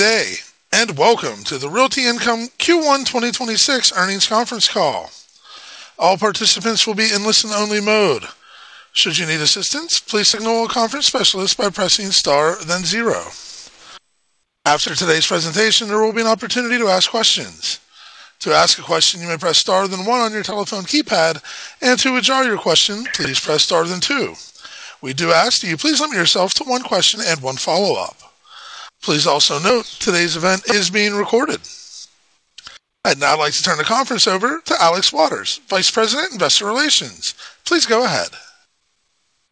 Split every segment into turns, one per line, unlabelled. Welcome to the Realty Income Q1 2026 earnings conference call. All participants will be in listen-only mode. Should you need assistance, please signal a conference specialist by pressing Star, then zero. After today's presentation, there will be an opportunity to ask questions. To ask a question, you may press Star then one on your telephone keypad, and to withdraw your question, please press Star then two. We do ask you please limit yourself to one question and one follow-up. Please also note today's event is being recorded. I'd now like to turn the conference over to Alex Waters, Vice President, Investor Relations. Please go ahead.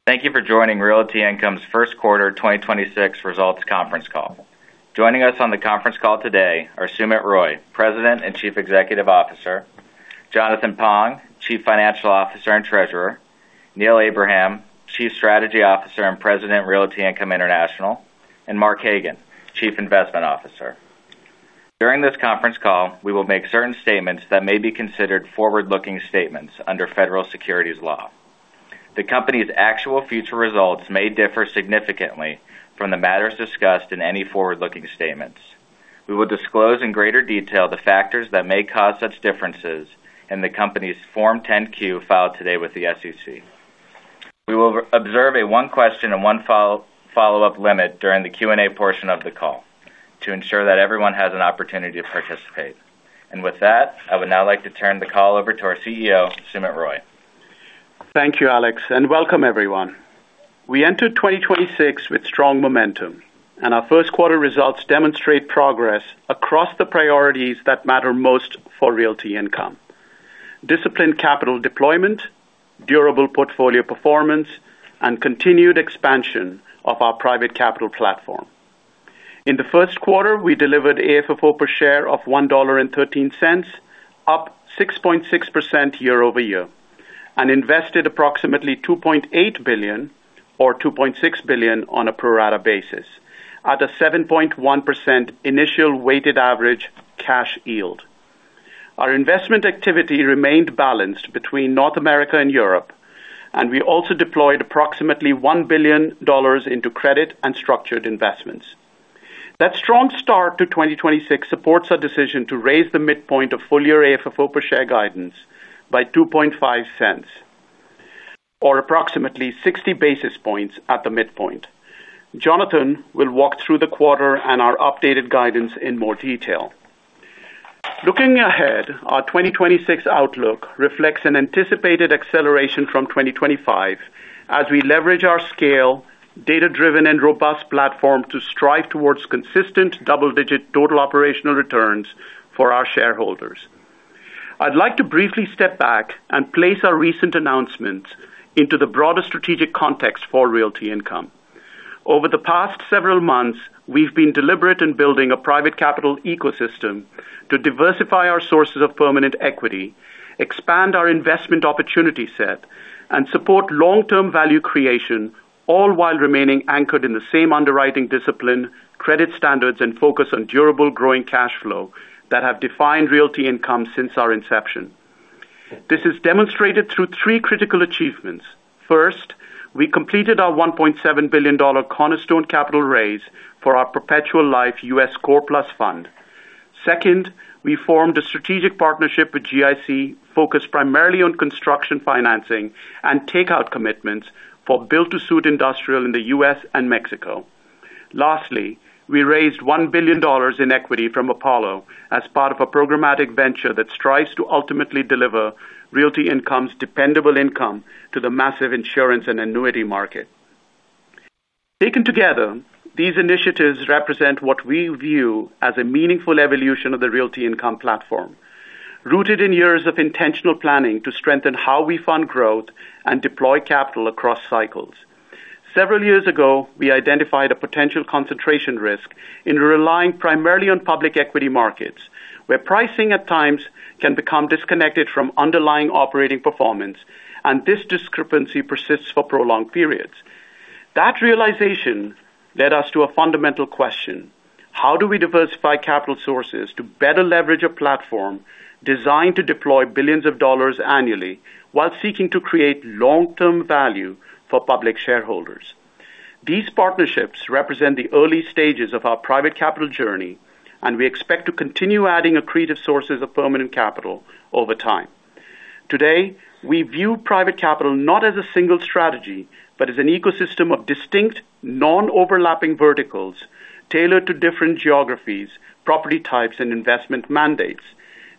Thank you for joining Realty Income's first quarter 2026 results conference call. Joining us on the conference call today are Sumit Roy, President and Chief Executive Officer; Jonathan Pong, Chief Financial Officer and Treasurer; Neil Abraham, Chief Strategy Officer and President, Realty Income International; and Mark Hagan, Chief Investment Officer. During this conference call, we will make certain statements that may be considered forward-looking statements under federal securities law. The company's actual future results may differ significantly from the matters discussed in any forward-looking statements. We will disclose in greater detail the factors that may cause such differences in the company's Form 10-Q filed today with the SEC. We will observe a one question and one follow-up limit during the Q&A portion of the call to ensure that everyone has an opportunity to participate. With that, I would now like to turn the call over to our CEO, Sumit Roy.
Thank you, Alex, and welcome everyone. We entered 2026 with strong momentum, and our first quarter results demonstrate progress across the priorities that matter most for Realty Income. Disciplined capital deployment, durable portfolio performance, and continued expansion of our private capital platform. In the first quarter, we delivered AFFO per share of $1.13, up 6.6% year-over-year, and invested approximately $2.8 billion or $2.6 billion on a pro rata basis at a 7.1% initial weighted average cash yield. Our investment activity remained balanced between North America and Europe, and we also deployed approximately $1 billion into credit and structured investments. That strong start to 2026 supports our decision to raise the midpoint of full-year AFFO per share guidance by $0.025 or approximately 60 basis points at the midpoint. Jonathan will walk through the quarter and our updated guidance in more detail. Looking ahead, our 2026 outlook reflects an anticipated acceleration from 2025 as we leverage our scale, data-driven, and robust platform to strive towards consistent double-digit total operational returns for our shareholders. I'd like to briefly step back and place our recent announcements into the broader strategic context for Realty Income. Over the past several months, we've been deliberate in building a private capital ecosystem to diversify our sources of permanent equity, expand our investment opportunity set, and support long-term value creation, all while remaining anchored in the same underwriting discipline, credit standards, and focus on durable growing cash flow that have defined Realty Income since our inception. This is demonstrated through three critical achievements. First, we completed our $1.7 billion cornerstone capital raise for our perpetual life US Core Plus Fund. We formed a strategic partnership with GIC focused primarily on construction financing and takeout commitments for built-to-suit industrial in the U.S. and Mexico. We raised $1 billion in equity from Apollo as part of a programmatic venture that strives to ultimately deliver Realty Income's dependable income to the massive insurance and annuity market. Taken together, these initiatives represent what we view as a meaningful evolution of the Realty Income platform, rooted in years of intentional planning to strengthen how we fund growth and deploy capital across cycles. Several years ago, we identified a potential concentration risk in relying primarily on public equity markets, where pricing at times can become disconnected from underlying operating performance, and this discrepancy persists for prolonged periods. That realization led us to a fundamental question: How do we diversify capital sources to better leverage a platform designed to deploy billions of dollars annually while seeking to create long-term value for public shareholders? These partnerships represent the early stages of our private capital journey, and we expect to continue adding accretive sources of permanent capital over time. Today, we view private capital not as a single strategy, but as an ecosystem of distinct, non-overlapping verticals tailored to different geographies, property types, and investment mandates.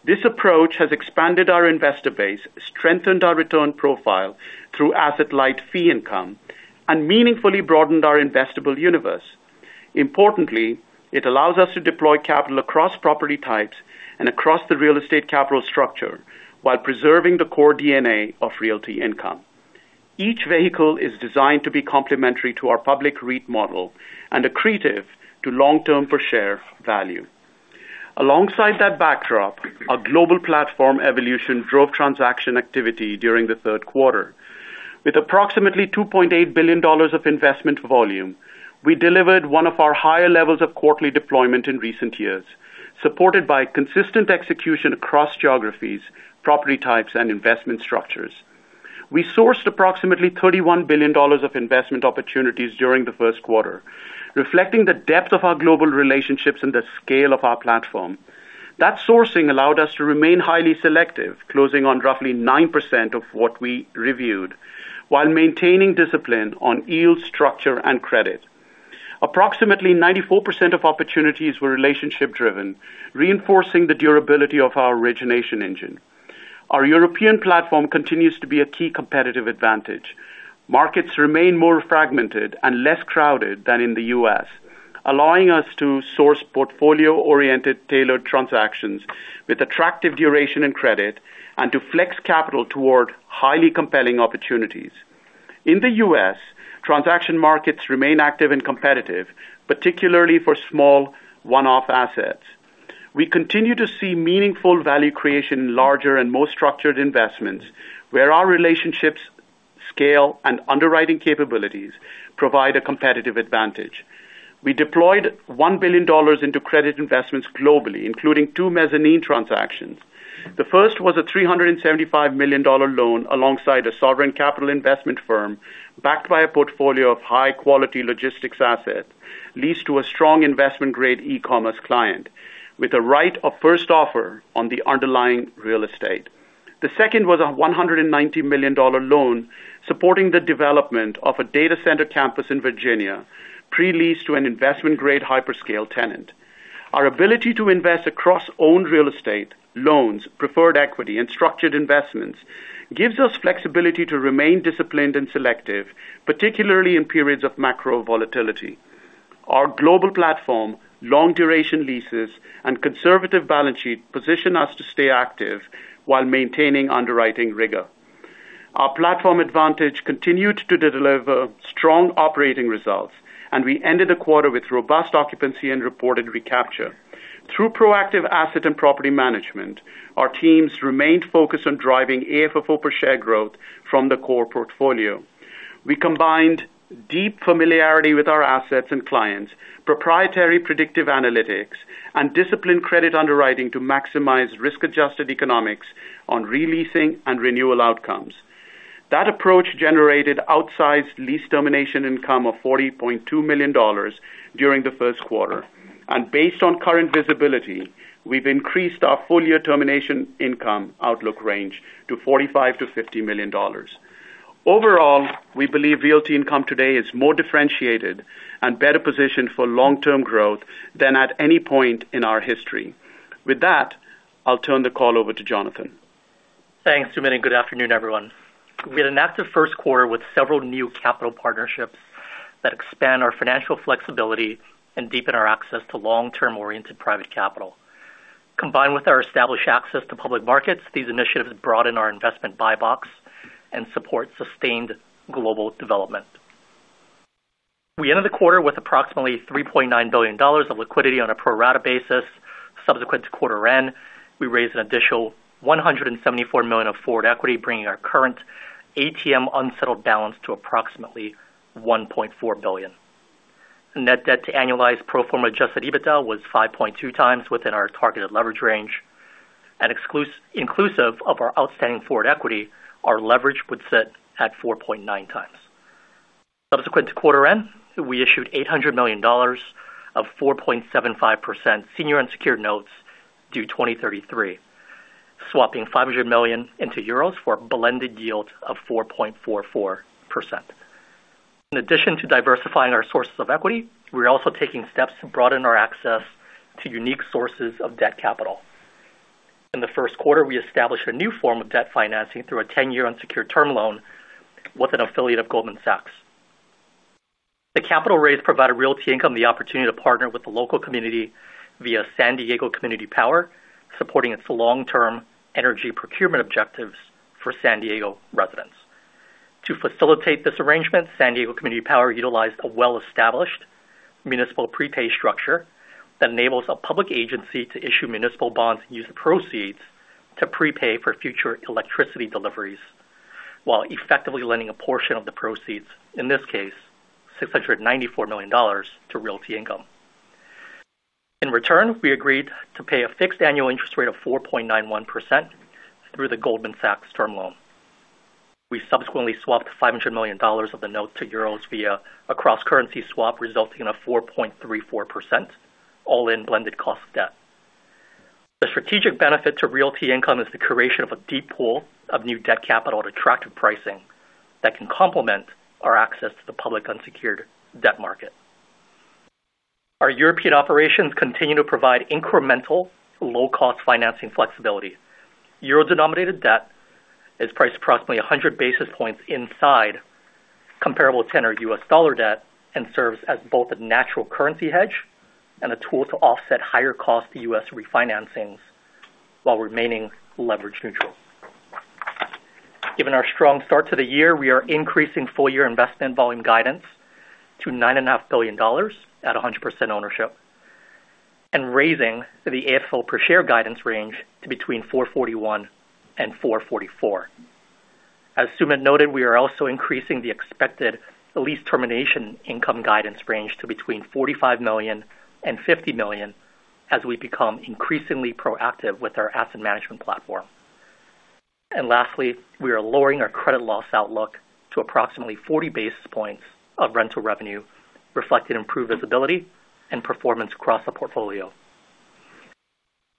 This approach has expanded our investor base, strengthened our return profile through asset-light fee income, and meaningfully broadened our investable universe. Importantly, it allows us to deploy capital across property types and across the real estate capital structure while preserving the core DNA of Realty Income. Each vehicle is designed to be complementary to our public REIT model and accretive to long-term per share value. Alongside that backdrop, our global platform evolution drove transaction activity during the third quarter. With approximately $2.8 billion of investment volume, we delivered one of our higher levels of quarterly deployment in recent years, supported by consistent execution across geographies, property types, and investment structures. We sourced approximately $31 billion of investment opportunities during the first quarter, reflecting the depth of our global relationships and the scale of our platform. That sourcing allowed us to remain highly selective, closing on roughly 9% of what we reviewed, while maintaining discipline on yield structure and credit. Approximately 94% of opportunities were relationship-driven, reinforcing the durability of our origination engine. Our European platform continues to be a key competitive advantage. Markets remain more fragmented and less crowded than in the U.S., allowing us to source portfolio-oriented tailored transactions with attractive duration and credit, and to flex capital toward highly compelling opportunities. In the U.S., transaction markets remain active and competitive, particularly for small one-off assets. We continue to see meaningful value creation in larger and more structured investments where our relationships scale and underwriting capabilities provide a competitive advantage. We deployed $1 billion into credit investments globally, including two mezzanine transactions. The first was a $375 million loan alongside a sovereign capital investment firm backed by a portfolio of high-quality logistics assets, leased to a strong investment-grade e-commerce client with a right of first offer on the underlying real estate. The second was a $190 million loan supporting the development of a data center campus in Virginia pre-leased to an investment-grade hyperscale tenant. Our ability to invest across owned real estate, loans, preferred equity, and structured investments gives us flexibility to remain disciplined and selective, particularly in periods of macro volatility. Our global platform, long-duration leases, and conservative balance sheet position us to stay active while maintaining underwriting rigor. Our platform advantage continued to deliver strong operating results, and we ended the quarter with robust occupancy and reported recapture. Through proactive asset and property management, our teams remained focused on driving AFFO per share growth from the core portfolio. We combined deep familiarity with our assets and clients, proprietary predictive analytics, and disciplined credit underwriting to maximize risk-adjusted economics on re-leasing and renewal outcomes. That approach generated outsized lease termination income of $40.2 million during the first quarter. Based on current visibility, we've increased our full-year termination income outlook range to $45 million-$50 million. Overall, we believe Realty Income today is more differentiated and better positioned for long-term growth than at any point in our history. With that, I'll turn the call over to Jonathan.
Thanks, Sumit, and good afternoon, everyone. We had an active first quarter with several new capital partnerships that expand our financial flexibility and deepen our access to long-term oriented private capital. Combined with our established access to public markets, these initiatives broaden our investment buy box and support sustained global development. We ended the quarter with approximately $3.9 billion of liquidity on a pro rata basis. Subsequent to quarter end, we raised an additional $174 million of forward equity, bringing our current ATM unsettled balance to approximately $1.4 billion. Net debt to annualized pro forma adjusted EBITDA was 5.2x within our targeted leverage range. Inclusive of our outstanding forward equity, our leverage would sit at 4.9x. Subsequent to quarter end, we issued $800 million of 4.75% senior unsecured notes due 2033, swapping $500 million into euros for a blended yield of 4.44%. In addition to diversifying our sources of equity, we're also taking steps to broaden our access to unique sources of debt capital. In the first quarter, we established a new form of debt financing through a 10-year unsecured term loan with an affiliate of Goldman Sachs. The capital raise provided Realty Income the opportunity to partner with the local community via San Diego Community Power, supporting its long-term energy procurement objectives for San Diego residents. To facilitate this arrangement, San Diego Community Power utilized a well-established municipal prepay structure that enables a public agency to issue municipal bonds and use the proceeds to prepay for future electricity deliveries, while effectively lending a portion of the proceeds, in this case, $694 million, to Realty Income. In return, we agreed to pay a fixed annual interest rate of 4.91% through the Goldman Sachs term loan. We subsequently swapped $500 million of the note to euros via a cross-currency swap, resulting in a 4.34% all-in blended cost of debt. The strategic benefit to Realty Income is the creation of a deep pool of new debt capital at attractive pricing that can complement our access to the public unsecured debt market. Our European operations continue to provide incremental low-cost financing flexibility. Euro-denominated debt is priced approximately 100 basis points inside comparable tenor U.S. dollar debt and serves as both a natural currency hedge and a tool to offset higher cost U.S. refinancings while remaining leverage neutral. Given our strong start to the year, we are increasing full-year investment volume guidance to $9.5 billion at 100% ownership and raising the AFFO per share guidance range to between $4.41 and $4.44. As Sumit noted, we are also increasing the expected lease termination income guidance range to between $45 million and $50 million. As we become increasingly proactive with our asset management platform. Lastly, we are lowering our credit loss outlook to approximately 40 basis points of rental revenue, reflecting improved visibility and performance across the portfolio.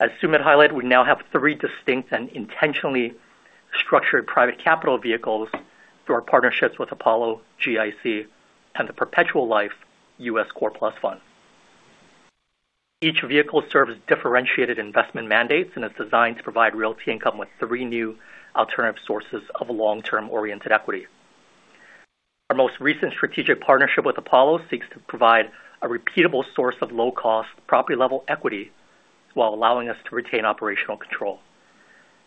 As Sumit highlighted, we now have three distinct and intentionally structured private capital vehicles through our partnerships with Apollo, GIC, and the Perpetual Life U.S. Core Plus Fund. Each vehicle serves differentiated investment mandates and is designed to provide Realty Income with three new alternative sources of long-term oriented equity. Our most recent strategic partnership with Apollo seeks to provide a repeatable source of low-cost property-level equity while allowing us to retain operational control.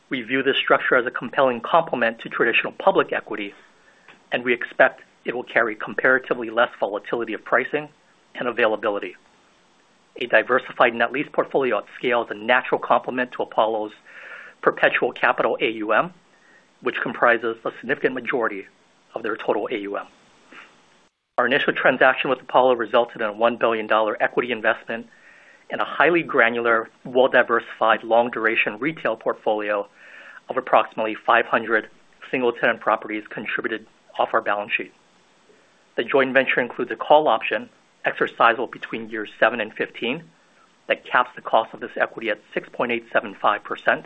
We view this structure as a compelling complement to traditional public equity, and we expect it will carry comparatively less volatility of pricing and availability. A diversified net lease portfolio at scale is a natural complement to Apollo's perpetual capital AUM, which comprises a significant majority of their total AUM. Our initial transaction with Apollo resulted in a $1 billion equity investment and a highly granular, well-diversified, long-duration retail portfolio of approximately 500 single-tenant properties contributed off our balance sheet. The joint venture includes a call option exercisable between years seven and 15 that caps the cost of this equity at 6.875%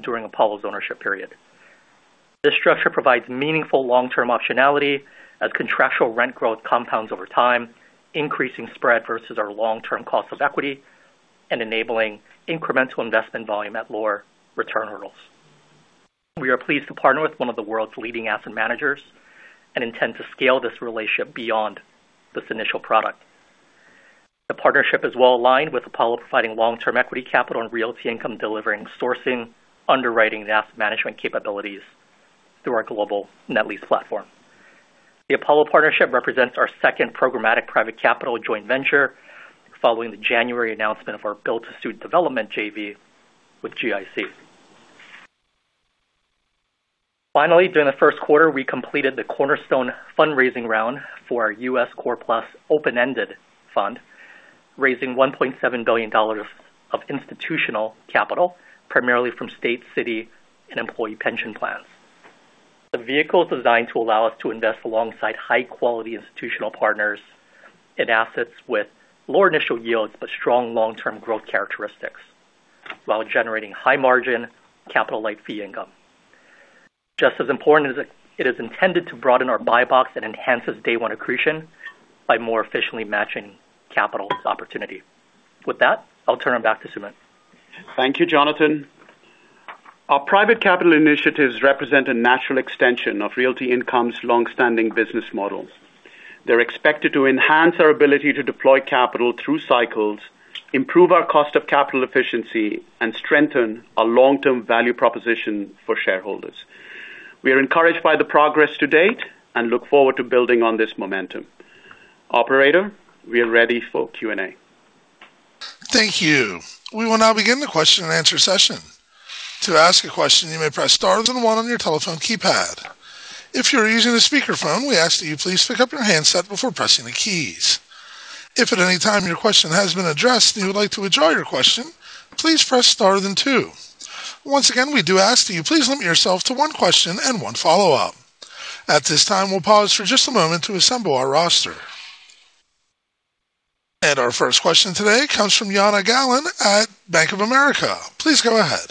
during Apollo's ownership period. This structure provides meaningful long-term optionality as contractual rent growth compounds over time, increasing spread versus our long-term cost of equity and enabling incremental investment volume at lower return hurdles. We are pleased to partner with one of the world's leading asset managers and intend to scale this relationship beyond this initial product. The partnership is well aligned, with Apollo providing long-term equity capital and Realty Income delivering sourcing, underwriting, and asset management capabilities through our global net lease platform. The Apollo partnership represents our second programmatic private capital joint venture following the January announcement of our build-to-suit development JV with GIC. During the first quarter, we completed the cornerstone fundraising round for our U.S. Core Plus open-ended fund, raising $1.7 billion of institutional capital, primarily from state, city, and employee pension plans. The vehicle is designed to allow us to invest alongside high-quality institutional partners in assets with lower initial yields but strong long-term growth characteristics while generating high-margin capital-light fee income. Just as important, it is intended to broaden our buy box and enhance its day one accretion by more efficiently matching capital with opportunity. With that, I'll turn it back to Sumit.
Thank you, Jonathan. Our private capital initiatives represent a natural extension of Realty Income's longstanding business model. They're expected to enhance our ability to deploy capital through cycles, improve our cost of capital efficiency, and strengthen our long-term value proposition for shareholders. We are encouraged by the progress to date and look forward to building on this momentum. Operator, we are ready for Q&A.
Thank you. We will now begin the question-and-answer session. Our first question today comes from Jana Galan at Bank of America. Please go ahead.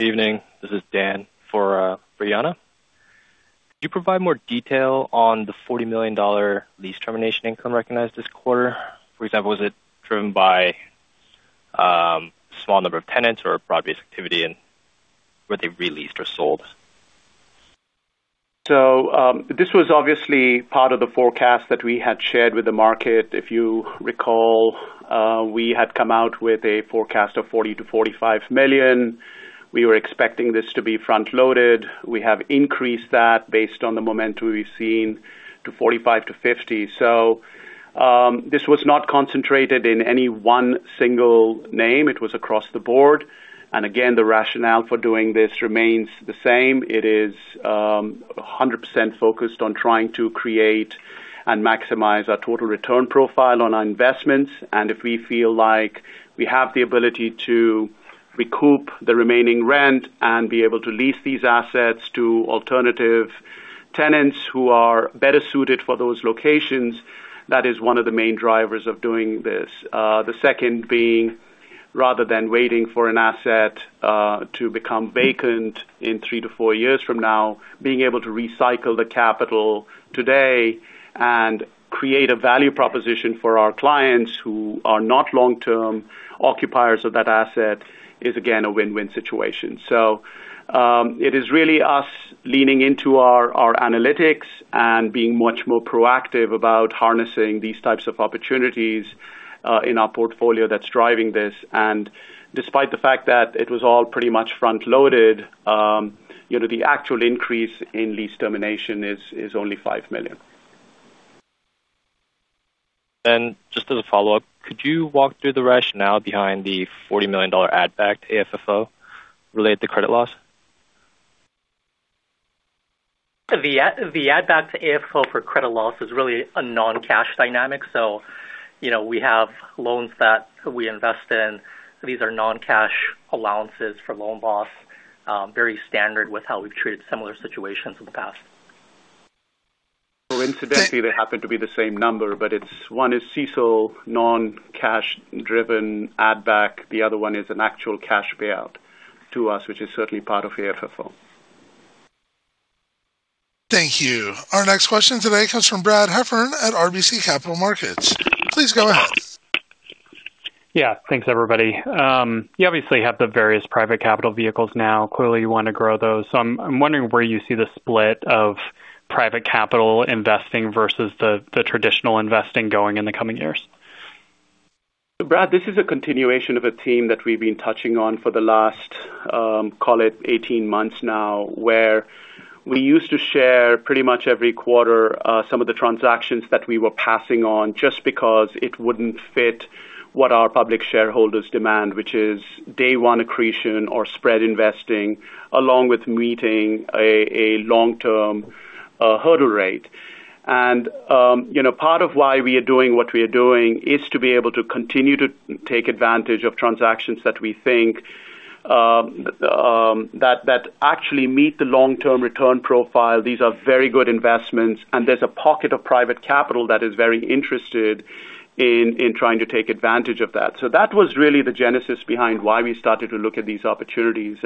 Evening. This is Dan for Jana. Could you provide more detail on the $40 million lease termination income recognized this quarter? For example, is it driven by small number of tenants or broad-based activity and where they re-leased or sold?
This was obviously part of the forecast that we had shared with the market. If you recall, we had come out with a forecast of $40 million-$45 million. We were expecting this to be front-loaded. We have increased that based on the momentum we've seen to $45 million-$50 million. This was not concentrated in any one single name. It was across the board. The rationale for doing this remains the same. It is 100% focused on trying to create and maximize our total return profile on our investments. If we feel like we have the ability to recoup the remaining rent and be able to lease these assets to alternative tenants who are better suited for those locations, that is one of the main drivers of doing this. The second being, rather than waiting for an asset, to become vacant in three to four years from now, being able to recycle the capital today and create a value proposition for our clients who are not long-term occupiers of that asset is, again, a win-win situation. It is really us leaning into our analytics and being much more proactive about harnessing these types of opportunities in our portfolio that's driving this. Despite the fact that it was all pretty much front-loaded, you know, the actual increase in lease termination is only $5 million.
Just as a follow-up, could you walk through the rationale behind the $40 million add back to AFFO related to credit loss?
The add back to AFFO for credit loss is really a non-cash dynamic. you know, we have loans that we invest in. These are non-cash allowances for loan loss, very standard with how we've treated similar situations in the past.
Coincidentally, they happen to be the same number, but one is CECL non-cash driven add back. The other one is an actual cash payout to us, which is certainly part of AFFO.
Thank you. Our next question today comes from Brad Heffern at RBC Capital Markets. Please go ahead.
Yeah, thanks everybody. You obviously have the various private capital vehicles now. Clearly, you wanna grow those. I'm wondering where you see the split of private capital investing versus the traditional investing going in the coming years.
Brad, this is a continuation of a theme that we've been touching on for the last, call it 18 months now, where we used to share pretty much every quarter, some of the transactions that we were passing on just because it wouldn't fit what our public shareholders demand, which is day one accretion or spread investing, along with meeting a long-term hurdle rate. you know, part of why we are doing what we are doing is to be able to continue to take advantage of transactions that we think that actually meet the long-term return profile. These are very good investments, and there's a pocket of private capital that is very interested in trying to take advantage of that. That was really the genesis behind why we started to look at these opportunities.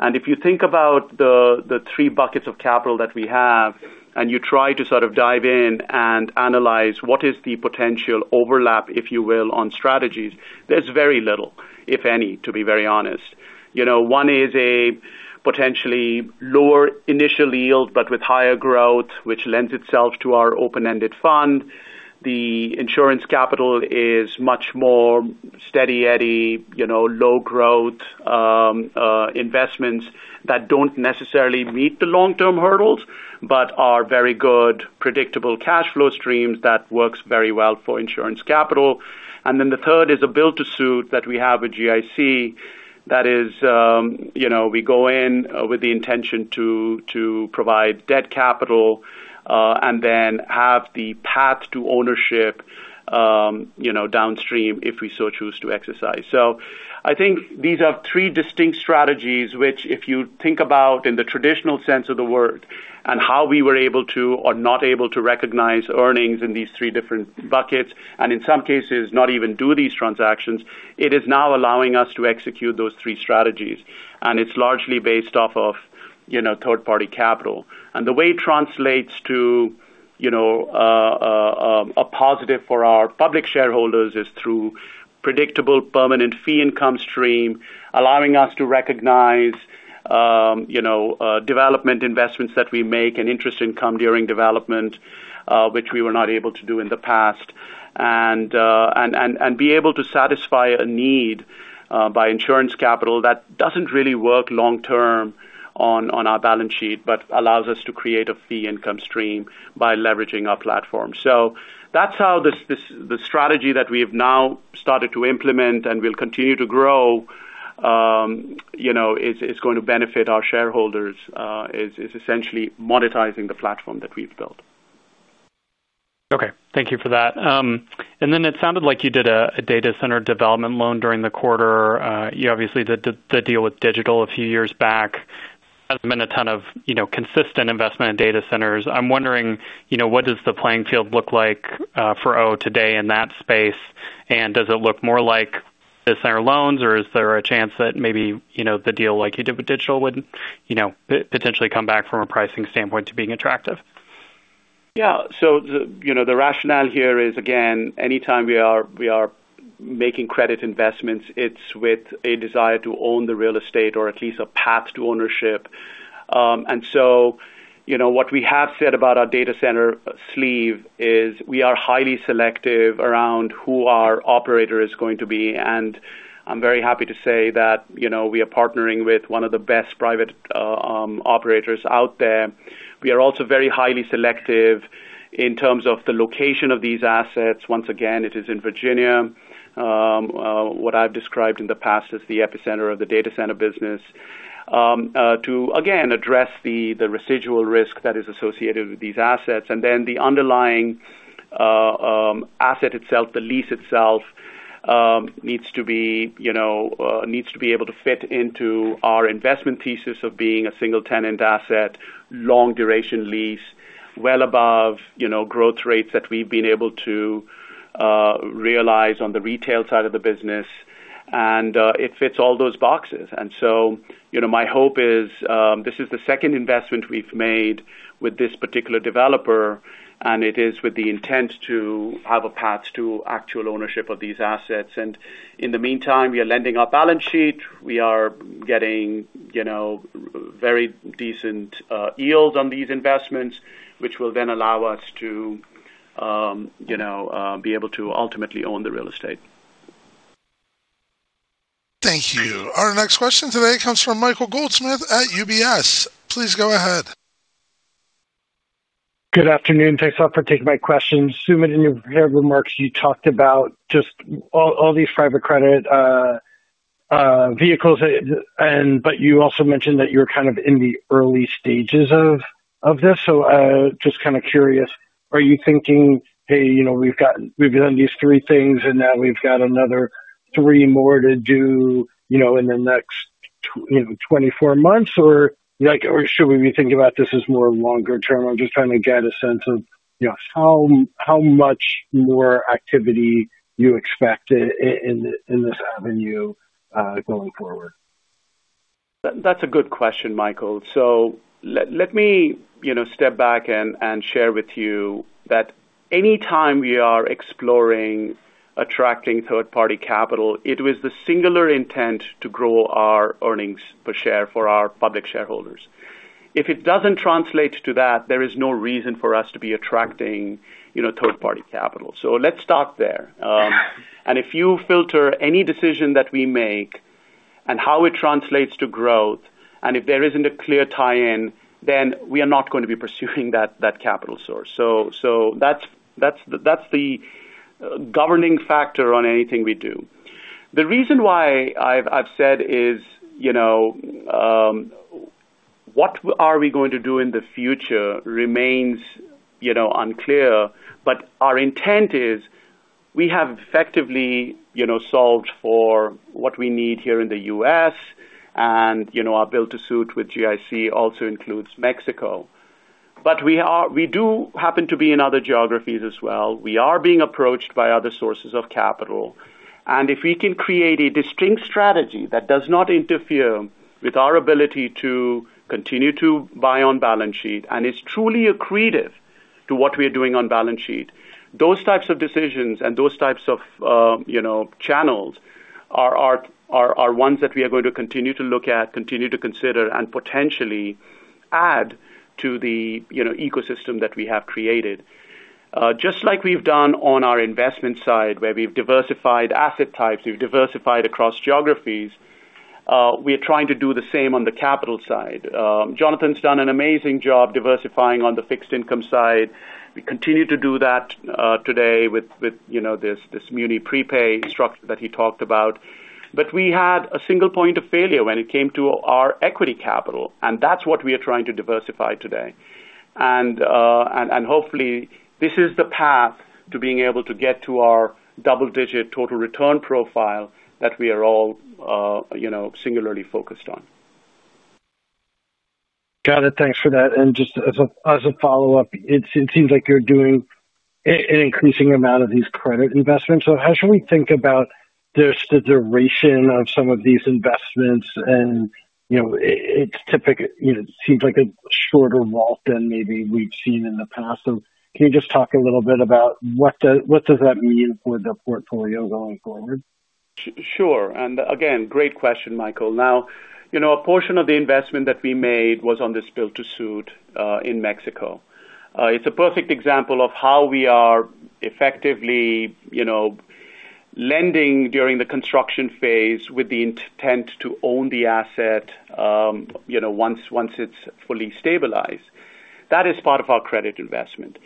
If you think about the three buckets of capital that we have, and you try to sort of dive in and analyze what is the potential overlap, if you will, on strategies, there's very little, if any, to be very honest. You know, one is a potentially lower initial yield, but with higher growth, which lends itself to our open-ended fund. The insurance capital is much more steady eddy, you know, low growth, investments that don't necessarily meet the long-term hurdles, but are very good, predictable cash flow streams that works very well for insurance capital. The third is a build to suit that we have with GIC that is, you know, we go in with the intention to provide debt capital, and then have the path to ownership, you know, downstream if we so choose to exercise. I think these are three distinct strategies, which if you think about in the traditional sense of the word and how we were able to or not able to recognize earnings in these three different buckets, and in some cases, not even do these transactions, it is now allowing us to execute those three strategies. It's largely based off of, you know, a positive for our public shareholders is through predictable permanent fee income stream, allowing us to recognize, you know, development investments that we make and interest income during development, which we were not able to do in the past. Be able to satisfy a need by insurance capital that doesn't really work long-term on our balance sheet, but allows us to create a fee income stream by leveraging our platform. That's how the strategy that we've now started to implement and will continue to grow, you know, is going to benefit our shareholders, is essentially monetizing the platform that we've built.
Okay. Thank you for that. Then it sounded like you did a data center development loan during the quarter. You obviously did the deal with Digital a few years back. Hasn't been a ton of, you know, consistent investment in data centers. I'm wondering, you know, what does the playing field look like for O today in that space? Does it look more like data center loans or is there a chance that maybe, you know, the deal like you did with Digital would, you know, potentially come back from a pricing standpoint to being attractive?
Yeah. The, you know, the rationale here is, again, anytime we are making credit investments, it's with a desire to own the real estate or at least a path to ownership. You know, what we have said about our data center sleeve is we are highly selective around who our operator is going to be, and I'm very happy to say that, you know, we are partnering with one of the best private operators out there. We are also very highly selective in terms of the location of these assets. Once again, it is in Virginia, what I've described in the past as the epicenter of the data center business, to again address the residual risk that is associated with these assets. Then the underlying asset itself, the lease itself, needs to be, you know, needs to be able to fit into our investment thesis of being a single tenant asset, long duration lease, well above, you know, growth rates that we've been able to realize on the retail side of the business, and it fits all those boxes. So, you know, my hope is, this is the second investment we've made with this particular developer, and it is with the intent to have a path to actual ownership of these assets. In the meantime, we are lending our balance sheet. We are getting, you know, very decent yield on these investments, which will then allow us to, you know, be able to ultimately own the real estate.
Thank you. Our next question today comes from Michael Goldsmith at UBS. Please go ahead.
Good afternoon. Thanks a lot for taking my questions. Sumit, in your prepared remarks, you talked about all these private credit vehicles. You also mentioned that you're kind of in the early stages of this. Kinda curious, are you thinking, "Hey, you know, we've done these three things, and now we've got another three more to do, you know, in the next 24 months?" Should we be thinking about this as more longer term? I'm trying to get a sense of, you know, how much more activity you expect in this avenue going forward.
That's a good question, Michael. Let me, you know, step back and share with you that any time we are exploring attracting third-party capital, it was the singular intent to grow our earnings per share for our public shareholders. If it doesn't translate to that, there is no reason for us to be attracting, you know, third-party capital. Let's start there. If you filter any decision that we make and how it translates to growth, and if there isn't a clear tie-in, then we are not gonna be pursuing that capital source. That's the governing factor on anything we do. The reason why I've said is, you know, what are we going to do in the future remains, you know, unclear. Our intent is we have effectively, you know, solved for what we need here in the U.S., and, you know, our build to suit with GIC also includes Mexico. We do happen to be in other geographies as well. We are being approached by other sources of capital. If we can create a distinct strategy that does not interfere with our ability to continue to buy on balance sheet, and it's truly accretive to what we are doing on balance sheet, those types of decisions and those types of, you know, channels are ones that we are going to continue to look at, continue to consider, and potentially add to the, you know, ecosystem that we have created. Just like we've done on our investment side, where we've diversified asset types, we've diversified across geographies, we are trying to do the same on the capital side. Jonathan's done an amazing job diversifying on the fixed income side. We continue to do that today with, you know, this municipal prepay structure that he talked about. But we had a single point of failure when it came to our equity capital, and that's what we are trying to diversify today. And hopefully, this is the path to being able to get to our double-digit total return profile that we are all, you know, singularly focused on.
Got it. Thanks for that. Just as a follow-up, it seems like you're doing an increasing amount of these credit investments. How should we think about just the duration of some of these investments? You know, it seems like a shorter WALT than maybe we've seen in the past. Can you just talk a little bit about what does that mean for the portfolio going forward?
Sure. Again, great question, Michael. You know, a portion of the investment that we made was on this build-to-suit in Mexico. It's a perfect example of how we are effectively, you know, lending during the construction phase with the intent to own the asset, you know, once it's fully stabilized. That is part of our credit investment.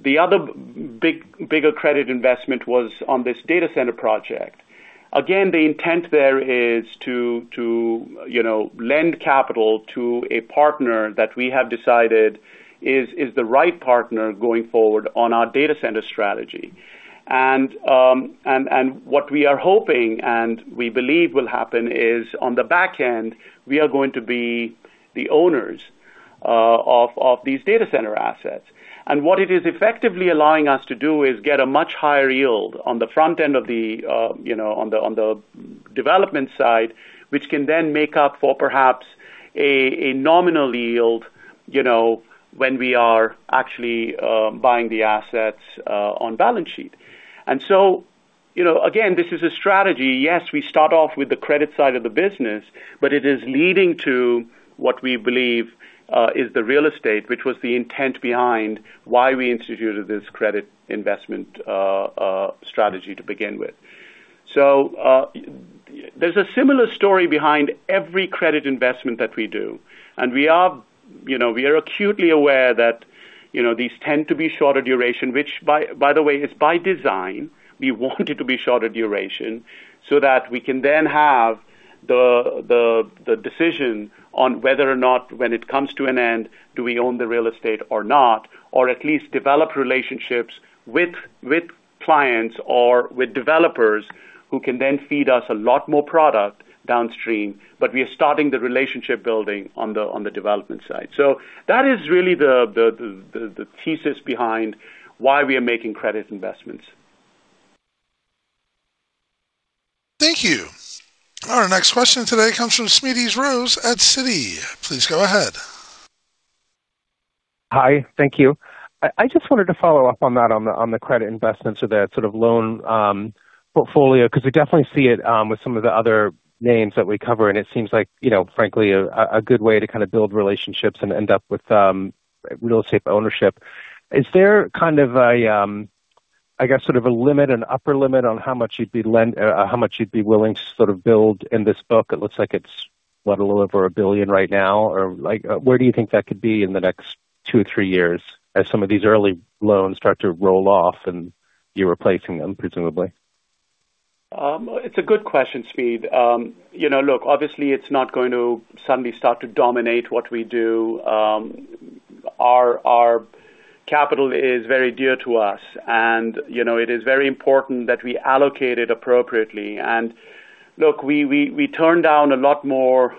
The other bigger credit investment was on this data center project. Again, the intent there is to, you know, lend capital to a partner that we have decided is the right partner going forward on our data center strategy. What we are hoping and we believe will happen is on the back end, we are going to be the owners of these data center assets. What it is effectively allowing us to do is get a much higher yield on the front end of the, you know, on the, on the development side, which can then make up for perhaps a nominal yield, you know, when we are actually buying the assets on balance sheet. You know, again, this is a strategy. Yes, we start off with the credit side of the business, but it is leading to what we believe is the real estate, which was the intent behind why we instituted this credit investment strategy to begin with. There's a similar story behind every credit investment that we do. We are, you know, we are acutely aware that, you know, these tend to be shorter duration, which by the way, is by design. We want it to be shorter duration that we can have the decision on whether or not when it comes to an end, do we own the real estate or not? At least develop relationships with clients or with developers who can feed us a lot more product downstream. We are starting the relationship building on the development side. That is really the thesis behind why we are making credit investments.
Thank you. Our next question today comes from Smedes Rose at Citi. Please go ahead.
Hi. Thank you. I just wanted to follow up on the credit investments or that sort of loan portfolio, because we definitely see it with some of the other names that we cover, and it seems like, you know, frankly, a good way to kinda build relationships and end up with real estate ownership. Is there kind of a- I guess sort of a limit, an upper limit on how much you'd be willing to sort of build in this book. It looks like it's, what, a little over $1 billion right now or like, where do you think that could be in the next two, three years as some of these early loans start to roll off and you're replacing them, presumably?
It's a good question, Smedes. You know, look, obviously it's not going to suddenly start to dominate what we do. Our capital is very dear to us and, you know, it is very important that we allocate it appropriately. Look, we turn down a lot more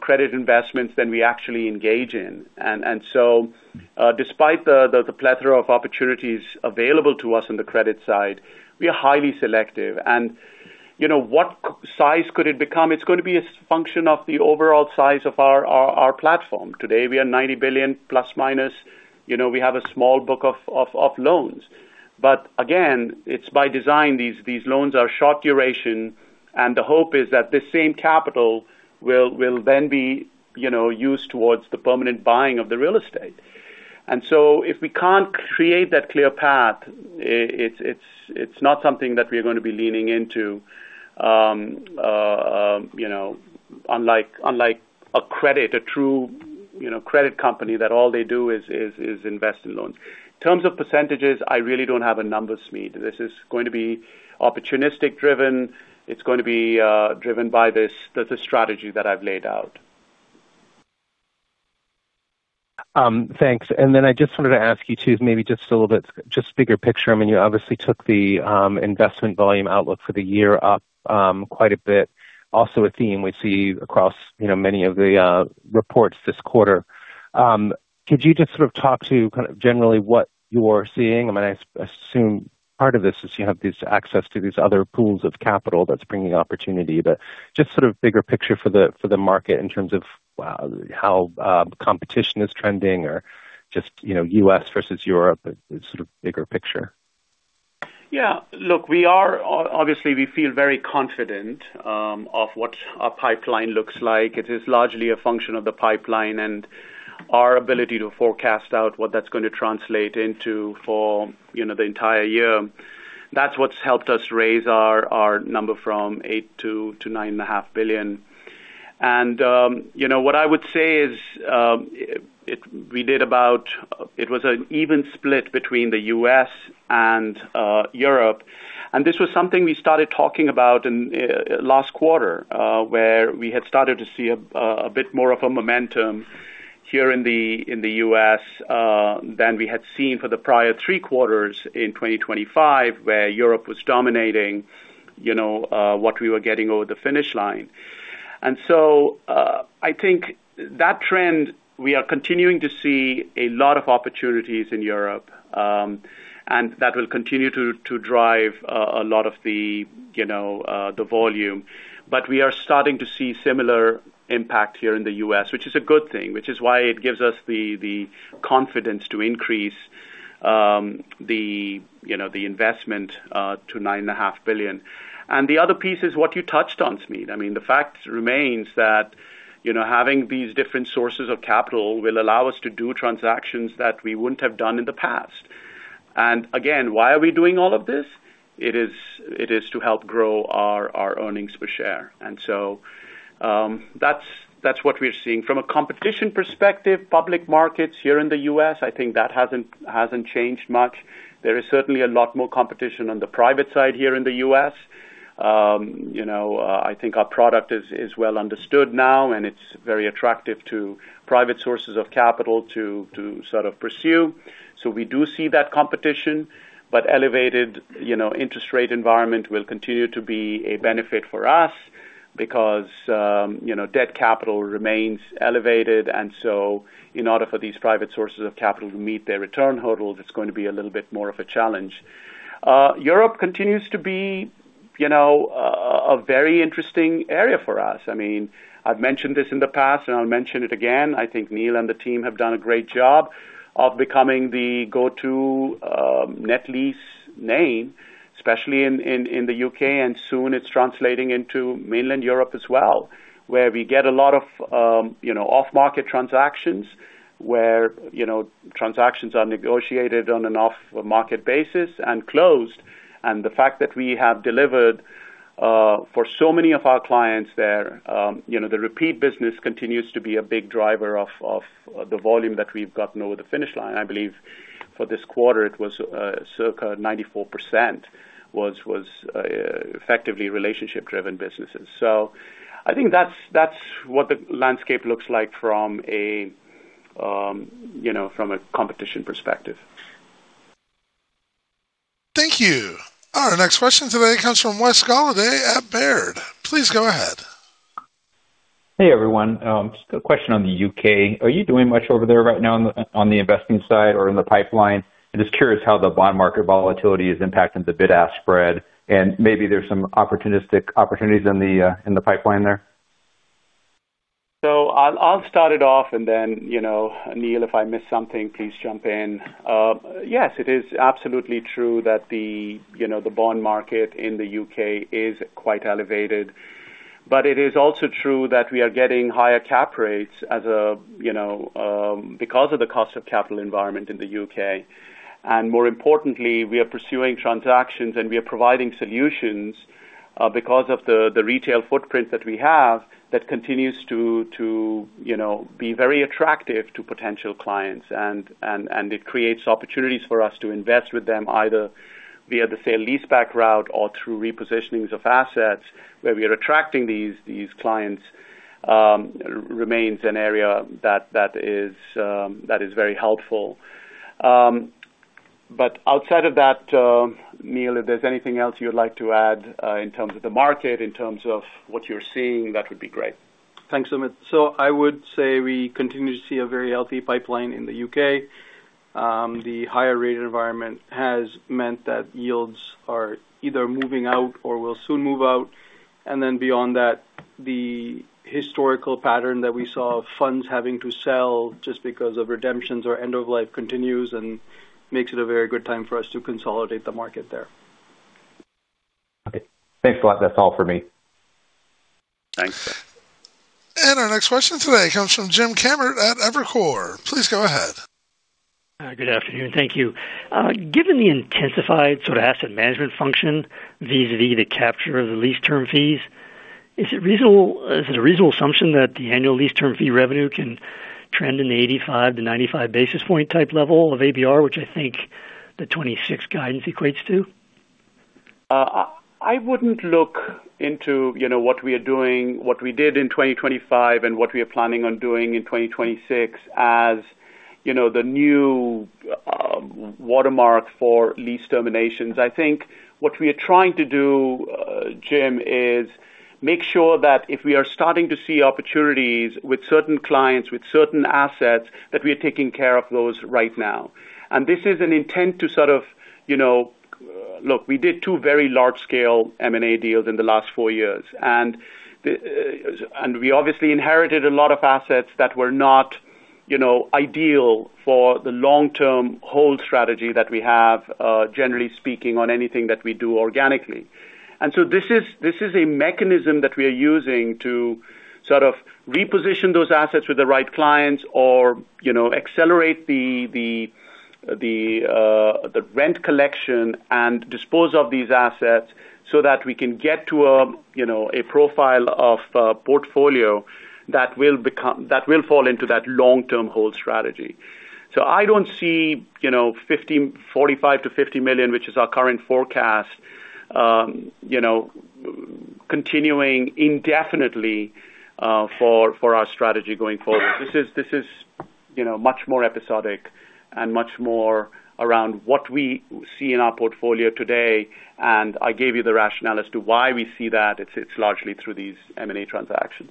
credit investments than we actually engage in. Despite the plethora of opportunities available to us on the credit side, we are highly selective. You know, what size could it become? It's going to be a function of the overall size of our platform. Today, we are ±$90 billion. You know, we have a small book of loans. Again, it's by design. These loans are short duration, and the hope is that this same capital will then be, you know, used towards the permanent buying of the real estate. If we can't create that clear path, it's not something that we're gonna be leaning into, you know, unlike a credit, a true, you know, credit company that all they do is invest in loans. In terms of percentages, I really don't have a number, Smedes. This is going to be opportunistic driven. It's going to be driven by this, the strategy that I've laid out.
Thanks. I just wanted to ask you to maybe just a little bit, just bigger picture. I mean, you obviously took the investment volume outlook for the year up quite a bit. Also a theme we see across, you know, many of the reports this quarter. Could you just sort of talk to kind of generally what you're seeing? I mean, I assume part of this is you have this access to these other pools of capital that's bringing opportunity. Just sort of bigger picture for the market in terms of how competition is trending or just, you know, U.S. versus Europe, but sort of bigger picture.
Yeah. Look, we are obviously, we feel very confident of what our pipeline looks like. It is largely a function of the pipeline and our ability to forecast out what that's gonna translate into for, you know, the entire year. That's what's helped us raise our number from $8 billion to $9.5 billion. You know, what I would say is, it was an even split between the U.S. and Europe. This was something we started talking about in last quarter, where we had started to see a bit more of a momentum here in the U.S. than we had seen for the prior three quarters in 2025, where Europe was dominating, you know, what we were getting over the finish line. I think that trend, we are continuing to see a lot of opportunities in Europe, and that will continue to drive a lot of the volume. We are starting to see similar impact here in the U.S., which is a good thing, which is why it gives us the confidence to increase the investment to $9.5 billion. The other piece is what you touched on, Smedes. The fact remains that having these different sources of capital will allow us to do transactions that we wouldn't have done in the past. Again, why are we doing all of this? It is to help grow our earnings per share. That's what we're seeing. From a competition perspective, public markets here in the U.S., I think that hasn't changed much. There is certainly a lot more competition on the private side here in the U.S. you know, I think our product is well understood now, and it's very attractive to private sources of capital to sort of pursue. We do see that competition, but elevated, you know, interest rate environment will continue to be a benefit for us because, you know, debt capital remains elevated. In order for these private sources of capital to meet their return hurdles, it's going to be a little bit more of a challenge. Europe continues to be, you know, a very interesting area for us. I mean, I've mentioned this in the past, and I'll mention it again. I think Neil and the team have done a great job of becoming the go-to, net lease name, especially in the U.K., and soon it's translating into mainland Europe as well, where we get a lot of, you know, off-market transactions where, you know, transactions are negotiated on an off-market basis and closed. The fact that we have delivered for so many of our clients there, you know, the repeat business continues to be a big driver of the volume that we've gotten over the finish line. I believe for this quarter, it was circa 94% was effectively relationship-driven businesses. I think that's what the landscape looks like from a, you know, from a competition perspective.
Thank you. Our next question today comes from Wes Golladay at Baird. Please go ahead.
Hey, everyone. Just a question on the U.K. Are you doing much over there right now on the, on the investing side or in the pipeline? I'm just curious how the bond market volatility is impacting the bid-ask spread, and maybe there's some opportunistic opportunities in the pipeline there.
I'll start it off, you know, Neil, if I miss something, please jump in. Yes, it is absolutely true that the bond market in the U.K. is quite elevated. It is also true that we are getting higher cap rates as a because of the cost of capital environment in the U.K. More importantly, we are pursuing transactions, and we are providing solutions because of the retail footprint that we have that continues to be very attractive to potential clients. It creates opportunities for us to invest with them, either via the sale-leaseback route or through repositionings of assets where we are attracting these clients remains an area that is very helpful. Outside of that, Neil, if there's anything else you would like to add, in terms of the market, in terms of what you're seeing, that would be great.
Thanks, Sumit. I would say we continue to see a very healthy pipeline in the U.K. The higher rate environment has meant that yields are either moving out or will soon move out. Beyond that, the historical pattern that we saw of funds having to sell just because of redemptions or end of life continues and makes it a very good time for us to consolidate the market there.
Okay. Thanks a lot. That's all for me.
Thanks.
Our next question today comes from James Kammert at Evercore. Please go ahead.
Good afternoon. Thank you. Given the intensified sort of asset management function vis-à-vis the capture of the lease term fees, is it a reasonable assumption that the annual lease term fee revenue can trend in the 85 basis points-95 basis points type level of ABR, which I think the 2026 guidance equates to?
I wouldn't look into, you know, what we are doing, what we did in 2025 and what we are planning on doing in 2026 as, you know, the new watermark for lease terminations. I think what we are trying to do, Jim, is make sure that if we are starting to see opportunities with certain clients, with certain assets, that we are taking care of those right now. This is an intent to sort of, you know look, we did two very large-scale M&A deals in the last four years, and we obviously inherited a lot of assets that were not, you know, ideal for the long-term hold strategy that we have, generally speaking, on anything that we do organically. This is a mechanism that we are using to sort of reposition those assets with the right clients or, you know, accelerate the rent collection and dispose of these assets so that we can get to a, you know, a profile of a portfolio that will fall into that long-term hold strategy. I don't see, you know, $45 million-$50 million, which is our current forecast, you know, continuing indefinitely for our strategy going forward. This is, you know, much more episodic and much more around what we see in our portfolio today. I gave you the rationale as to why we see that. It's largely through these M&A transactions.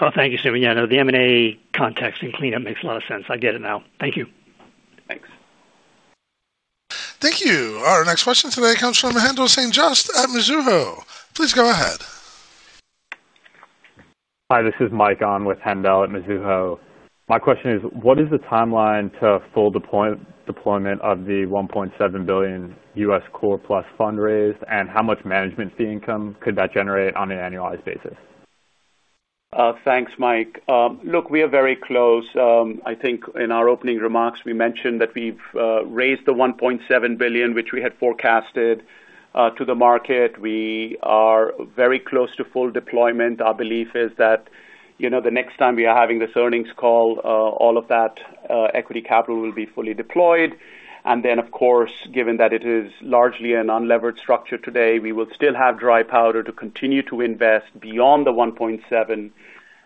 Well, thank you, Sumit. Yeah, no, the M&A context and cleanup makes a lot of sense. I get it now. Thank you.
Thanks.
Thank you. Our next question today comes from Haendel St. Juste at Mizuho. Please go ahead.
Hi, this is Mike on with Haendel at Mizuho. My question is, what is the timeline to full deployment of the $1.7 billion U.S. Core Plus fundraise, and how much management fee income could that generate on an annualized basis?
Thanks, Mike. Look, we are very close. I think in our opening remarks, we mentioned that we've raised the $1.7 billion, which we had forecasted to the market. We are very close to full deployment. Our belief is that, you know, the next time we are having this earnings call, all of that equity capital will be fully deployed. Then, of course, given that it is largely an unlevered structure today, we will still have dry powder to continue to invest beyond the $1.7 billion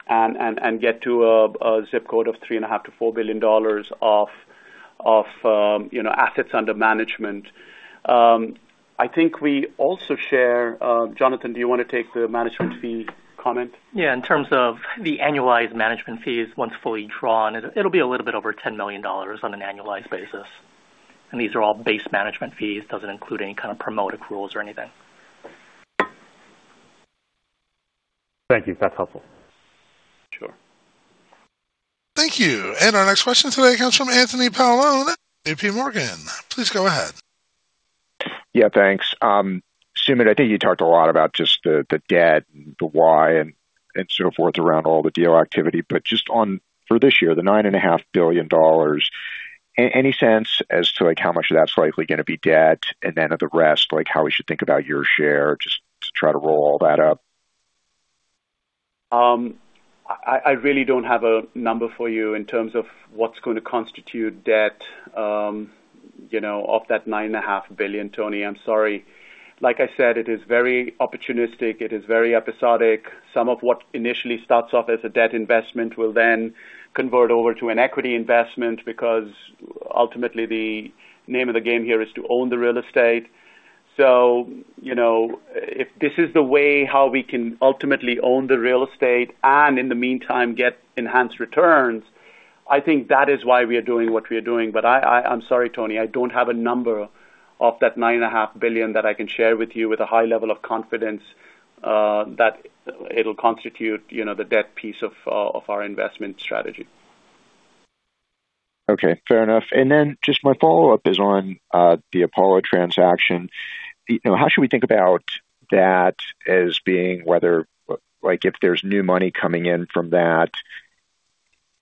and get to a zip code of $3.5 billion-$4 billion of, you know, assets under management. I think we also share, Jonathan, do you want to take the management fee comment?
Yeah. In terms of the annualized management fees, once fully drawn, it'll be a little bit over $10 million on an annualized basis. These are all base management fees. Doesn't include any kind of promote accruals or anything.
Thank you. That's helpful.
Sure.
Thank you. Our next question today comes from Anthony Paolone at JPMorgan. Please go ahead.
Yeah, thanks. Sumit, I think you talked a lot about just the debt and the why and so forth around all the deal activity. Just for this year, the $9.5 billion, any sense as to, like, how much of that's likely gonna be debt? Of the rest, like, how we should think about your share, just to try to roll all that up.
I really don't have a number for you in terms of what's gonna constitute debt, you know, of that $9.5 billion, Tony. I'm sorry. Like I said, it is very opportunistic. It is very episodic. Some of what initially starts off as a debt investment will then convert over to an equity investment because ultimately, the name of the game here is to own the real estate. If this is the way how we can ultimately own the real estate and in the meantime, get enhanced returns, I think that is why we are doing what we are doing. I'm sorry, Tony, I don't have a number of that $9.5 billion that I can share with you with a high level of confidence that it'll constitute, you know, the debt piece of our investment strategy.
Okay, fair enough. Then just my follow-up is on the Apollo transaction. You know, how should we think about that as being like, if there's new money coming in from that,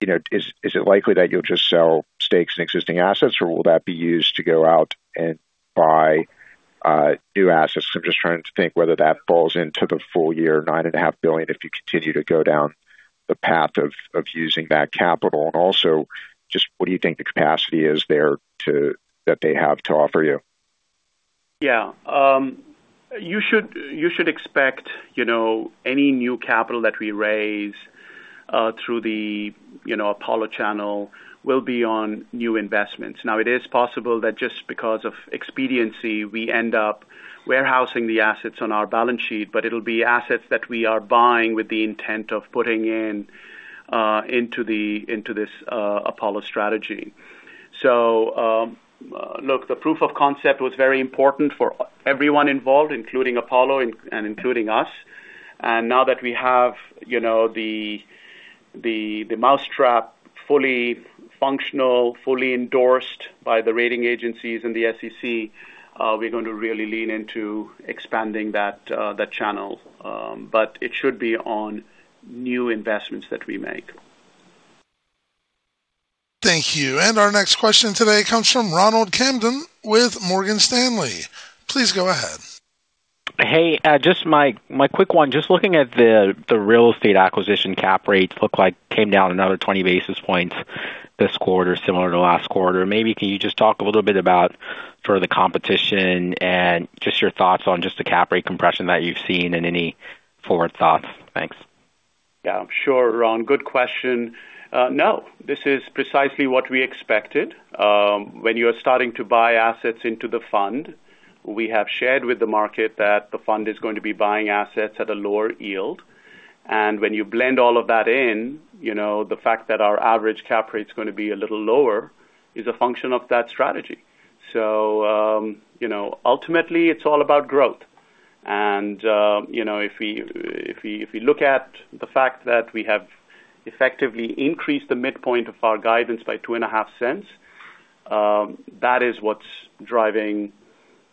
you know, is it likely that you'll just sell stakes in existing assets, or will that be used to go out and buy new assets? I'm just trying to think whether that falls into the full year $9.5 billion if you continue to go down the path of using that capital. Just what do you think the capacity is there that they have to offer you?
Yeah. You should expect any new capital that we raise through the Apollo channel will be on new investments. It is possible that just because of expediency, we end up warehousing the assets on our balance sheet, but it'll be assets that we are buying with the intent of putting in into the, into this Apollo strategy. Look, the proof of concept was very important for everyone involved, including Apollo and including us. Now that we have the mousetrap fully functional, fully endorsed by the rating agencies and the SEC, we're going to really lean into expanding that channel. It should be on new investments that we make.
Thank you. Our next question today comes from Ronald Kamdem with Morgan Stanley. Please go ahead.
Hey, just my quick one. Just looking at the real estate acquisition cap rates look like came down another 20 basis points this quarter, similar to last quarter. Can you just talk a little bit about sort of the competition and just your thoughts on just the cap rate compression that you've seen and any forward thoughts? Thanks.
Yeah. Sure, Ron. Good question. No, this is precisely what we expected. When you're starting to buy assets into the fund, we have shared with the market that the fund is going to be buying assets at a lower yield. When you blend all of that in, you know, the fact that our average cap rate is gonna be a little lower is a function of that strategy. You know, ultimately, it's all about growth. You know, if we look at the fact that we have effectively increased the midpoint of our guidance by $0.025, that is what's driving,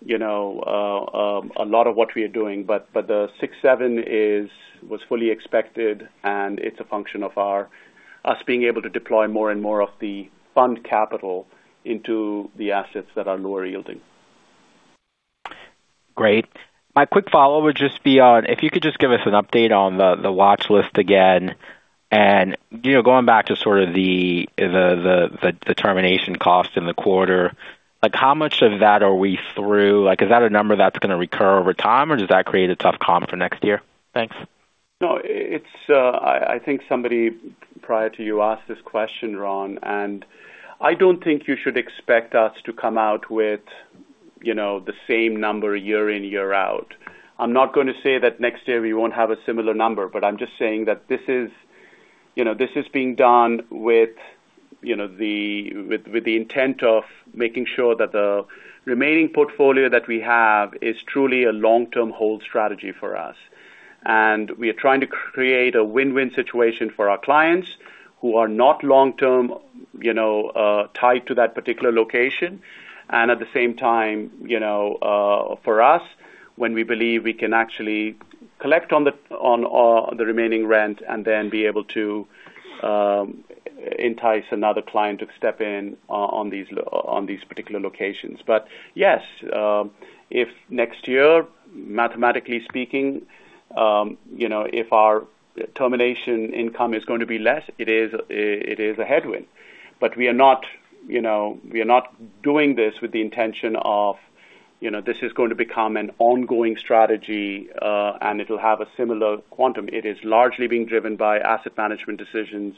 you know, a lot of what we are doing. The 6.7 was fully expected, and it's a function of us being able to deploy more and more of the fund capital into the assets that are lower yielding.
Great. My quick follow would just be on if you could just give us an update on the watchlist again and, you know, going back to sort of the termination cost in the quarter. Like, how much of that are we through? Like, is that a number that's gonna recur over time, or does that create a tough comp for next year? Thanks.
No, it's, I think somebody prior to you asked this question, Ron. I don't think you should expect us to come out with, you know, the same number year in, year out. I'm not gonna say that next year we won't have a similar number. I'm just saying that this is, you know, this is being done with, you know, with the intent of making sure that the remaining portfolio that we have is truly a long-term hold strategy for us. We are trying to create a win-win situation for our clients who are not long-term, you know, tied to that particular location. At the same time, you know, for us, when we believe we can actually collect on the remaining rent and then be able to entice another client to step in on these particular locations. Yes, mathematically speaking, you know, if our termination income is going to be less, it is a headwind. We are not, you know, we are not doing this with the intention of, you know, this is going to become an ongoing strategy, and it'll have a similar quantum. It is largely being driven by asset management decisions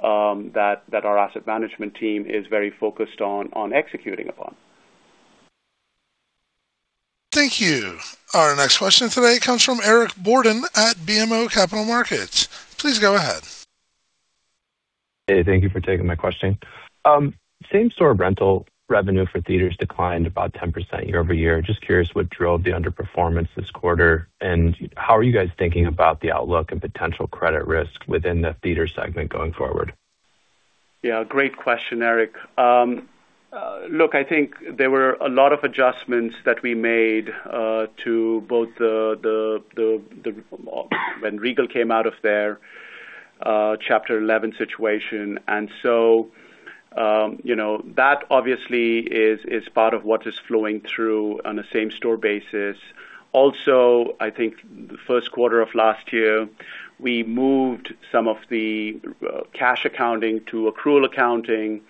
that our asset management team is very focused on executing upon.
Thank you. Our next question today comes from Eric Borden at BMO Capital Markets. Please go ahead.
Hey, thank you for taking my question. Same-store rental revenue for theaters declined about 10% year-over-year. Just curious what drove the underperformance this quarter, and how are you guys thinking about the outlook and potential credit risk within the theater segment going forward?
Yeah, great question, Eric. Look, I think there were a lot of adjustments that we made to both the When Regal came out of their Chapter 11 situation. You know, that obviously is part of what is flowing through on a same-store basis. Also, I think the first quarter of last year, we moved some of the cash accounting to accrual accounting.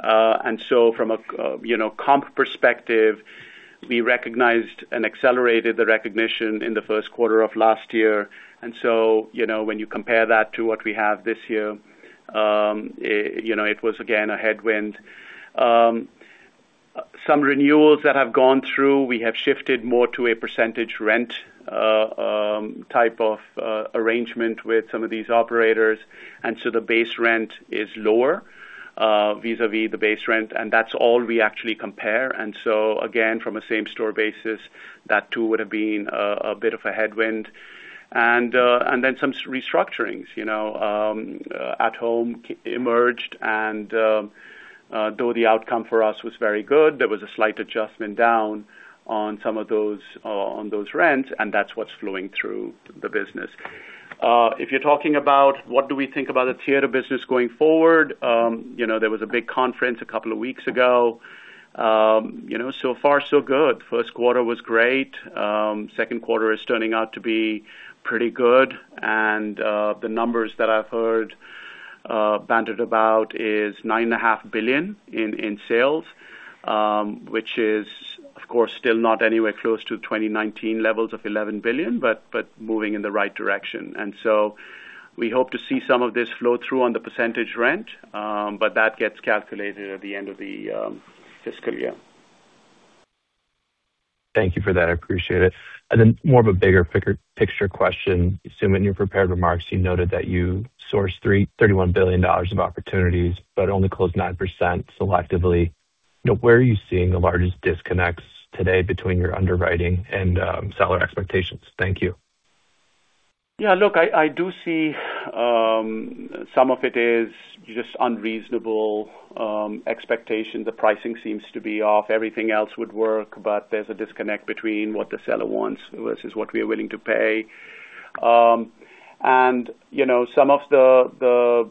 From a, you know, comp perspective, we recognized and accelerated the recognition in the first quarter of last year. You know, when you compare that to what we have this year, it, you know, it was again a headwind. Some renewals that have gone through, we have shifted more to a percentage rent type of arrangement with some of these operators, and so the base rent is lower vis-à-vis the base rent, and that's all we actually compare. Again, from a same-store basis, that too would have been a bit of a headwind. Some restructurings, you know, At Home emerged. Though the outcome for us was very good, there was a slight adjustment down on some of those on those rents, and that's what's flowing through the business. If you're talking about what do we think about the theater business going forward, you know, there was a big conference a couple of weeks ago. You know, so far so good. First quarter was great. Second quarter is turning out to be pretty good. The numbers that I've heard bandied about is $9.5 billion in sales, which is, of course, still not anywhere close to 2019 levels of $11 billion, moving in the right direction. We hope to see some of this flow through on the percentage rent. That gets calculated at the end of the fiscal year.
Thank you for that. I appreciate it. More of a bigger picture question. Sumit, in your prepared remarks, you noted that you sourced $31 billion of opportunities, but only closed 9% selectively. Where are you seeing the largest disconnects today between your underwriting and seller expectations? Thank you.
I do see some of it is just unreasonable expectation. The pricing seems to be off. Everything else would work, there's a disconnect between what the seller wants versus what we are willing to pay. You know, some of the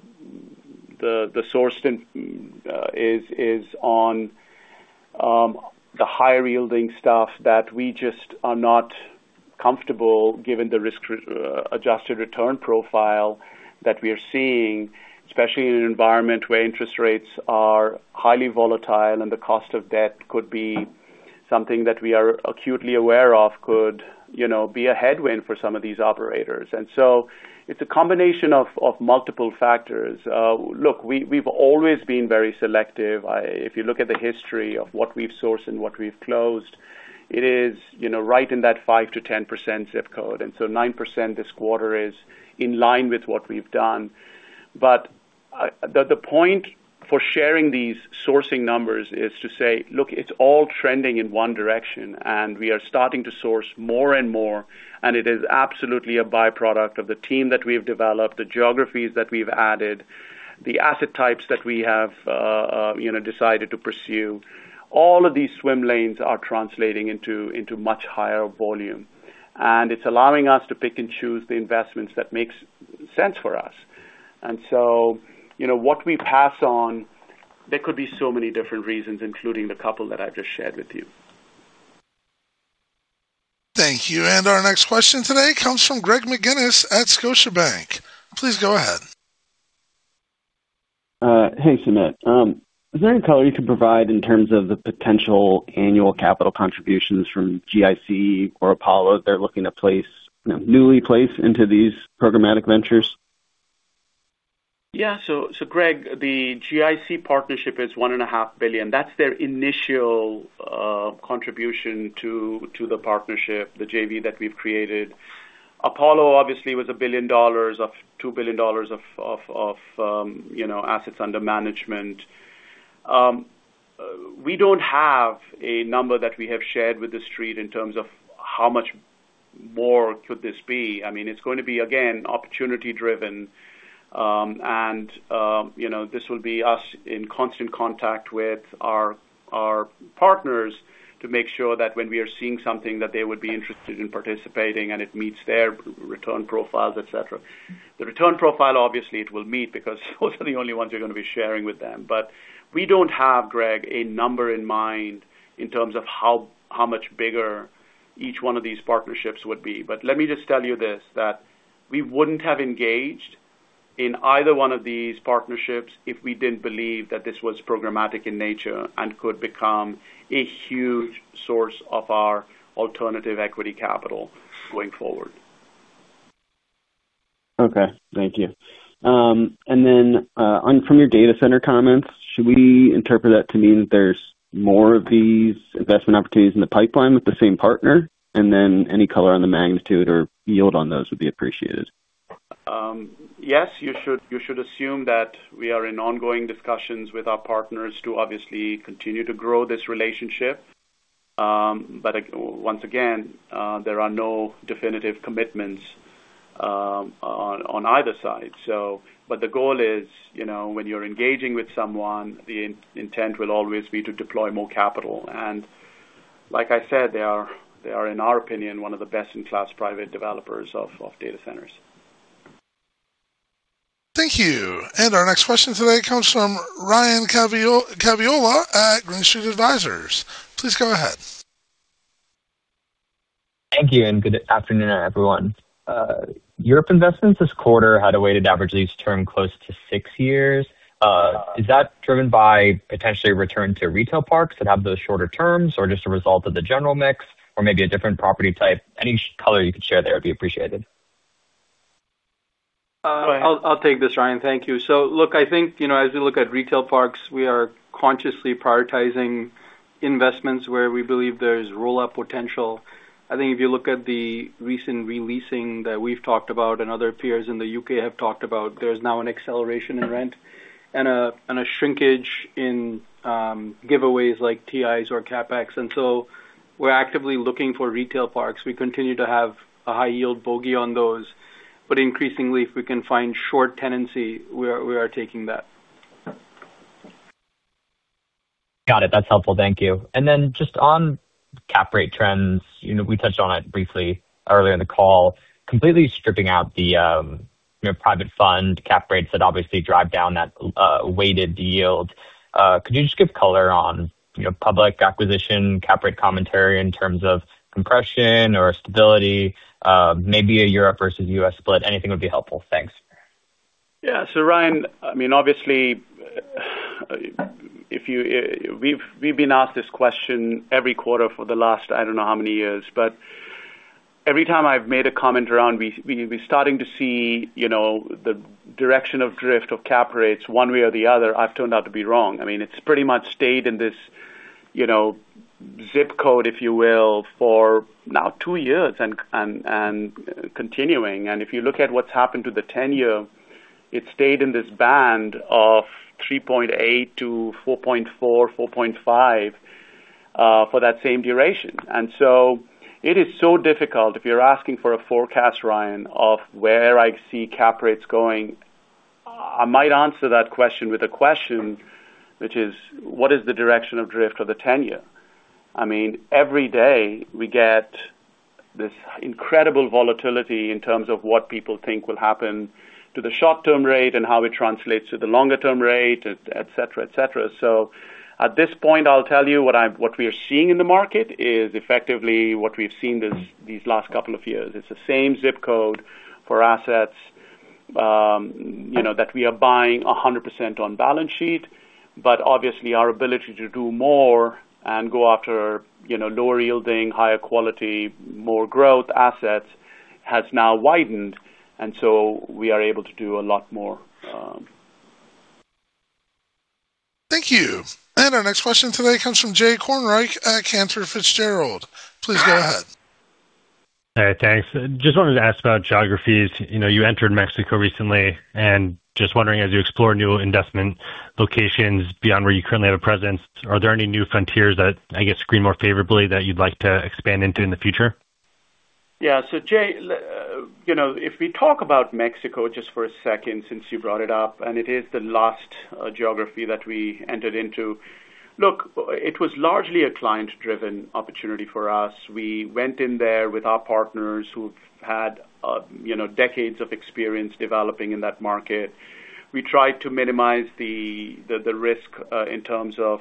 sourcing is on the higher yielding stuff that we just are not comfortable given the risk-adjusted return profile that we are seeing, especially in an environment where interest rates are highly volatile and the cost of debt could be something that we are acutely aware of could, you know, be a headwind for some of these operators. It's a combination of multiple factors. We've always been very selective. If you look at the history of what we've sourced and what we've closed, it is, you know, right in that 5%-10% ZIP code. 9% this quarter is in line with what we've done. The point for sharing these sourcing numbers is to say, look, it's all trending in one direction, and we are starting to source more and more. It is absolutely a byproduct of the team that we've developed, the geographies that we've added, the asset types that we have, you know, decided to pursue. All of these swim lanes are translating into much higher volume, and it's allowing us to pick and choose the investments that makes sense for us. You know, what we pass on, there could be so many different reasons, including the couple that I just shared with you.
Thank you. Our next question today comes from Greg McGinniss at Scotiabank. Please go ahead.
Hey, Sumit. Is there any color you can provide in terms of the potential annual capital contributions from GIC or Apollo they're looking to newly placed into these programmatic ventures?
Greg, the GIC partnership is $1.5 billion. That's their initial contribution to the partnership, the JV that we've created. Apollo obviously, was $2 billion of, you know, assets under management. We don't have a number that we have shared with the street in terms of how much more could this be. I mean, it's going to be, again, opportunity driven. You know, this will be us in constant contact with our partners to make sure that when we are seeing something that they would be interested in participating and it meets their return profiles, et cetera. The return profile, obviously it will meet because those are the only ones you're gonna be sharing with them. We don't have, Greg, a number in mind in terms of how much bigger each one of these partnerships would be. Let me just tell you this, that we wouldn't have engaged in either one of these partnerships if we didn't believe that this was programmatic in nature and could become a huge source of our alternative equity capital going forward.
Okay. Thank you. From your data center comments, should we interpret that to mean that there's more of these investment opportunities in the pipeline with the same partner? Any color on the magnitude or yield on those would be appreciated.
Yes, you should assume that we are in ongoing discussions with our partners to obviously continue to grow this relationship. But once again, there are no definitive commitments on either side. The goal is, you know, when you're engaging with someone, the intent will always be to deploy more capital. Like I said, they are, in our opinion, one of the best-in-class private developers of data centers.
Thank you. Our next question today comes from Ryan Caviola at Green Street Advisors. Please go ahead.
Thank you, good afternoon, everyone. Europe investments this quarter had a weighted average lease term close to six years. Is that driven by potentially return to retail parks that have those shorter terms or just a result of the general mix or maybe a different property type? Any color you could share there would be appreciated.
I'll take this, Ryan. Thank you. Look, I think, you know, as we look at retail parks, we are consciously prioritizing investments where we believe there is roll-up potential. I think if you look at the recent re-leasing that we've talked about and other peers in the U.K. have talked about, there's now an acceleration in rent. A shrinkage in giveaways like TIs or CapEx. We're actively looking for retail parks. We continue to have a high yield bogey on those. Increasingly, if we can find short tenancy, we are taking that.
Got it. That's helpful. Thank you. Just on cap rate trends, you know, we touched on it briefly earlier in the call, completely stripping out the, you know, private fund cap rates that obviously drive down that weighted yield. Could you just give color on, you know, public acquisition, cap rate commentary in terms of compression or stability, maybe a Europe versus U.S. split? Anything would be helpful. Thanks.
Yeah. Ryan, I mean, obviously, we've been asked this question every quarter for the last I don't know how many years, but every time I've made a comment around starting to see, you know, the direction of drift of cap rates one way or the other, I've turned out to be wrong. I mean, it's pretty much stayed in this, you know, ZIP code, if you will, for now two years and continuing. If you look at what's happened to the 10-year, it stayed in this band of 3.8%-4.5% for that same duration. It is so difficult if you're asking for a forecast, Ryan, of where I see cap rates going. I might answer that question with a question, which is, what is the direction of drift of the tenure? I mean, every day we get this incredible volatility in terms of what people think will happen to the short-term rate and how it translates to the longer-term rate, et cetera, et cetera. At this point, I'll tell you what we are seeing in the market is effectively what we've seen these last couple of years. It's the same ZIP code for assets, you know, that we are buying 100% on balance sheet. Obviously, our ability to do more and go after, you know, lower yielding, higher quality, more growth assets has now widened, and we are able to do a lot more.
Thank you. Our next question today comes from Jay Kornreich at Cantor Fitzgerald. Please go ahead.
Hey, thanks. Just wanted to ask about geographies. You know, you entered Mexico recently, and just wondering as you explore new investment locations beyond where you currently have a presence, are there any new frontiers that I guess screen more favorably that you'd like to expand into in the future?
Yeah. So Jay, you know, if we talk about Mexico just for a second since you brought it up, it is the last geography that we entered into. Look, it was largely a client-driven opportunity for us. We went in there with our partners who've had, you know, decades of experience developing in that market. We tried to minimize the risk in terms of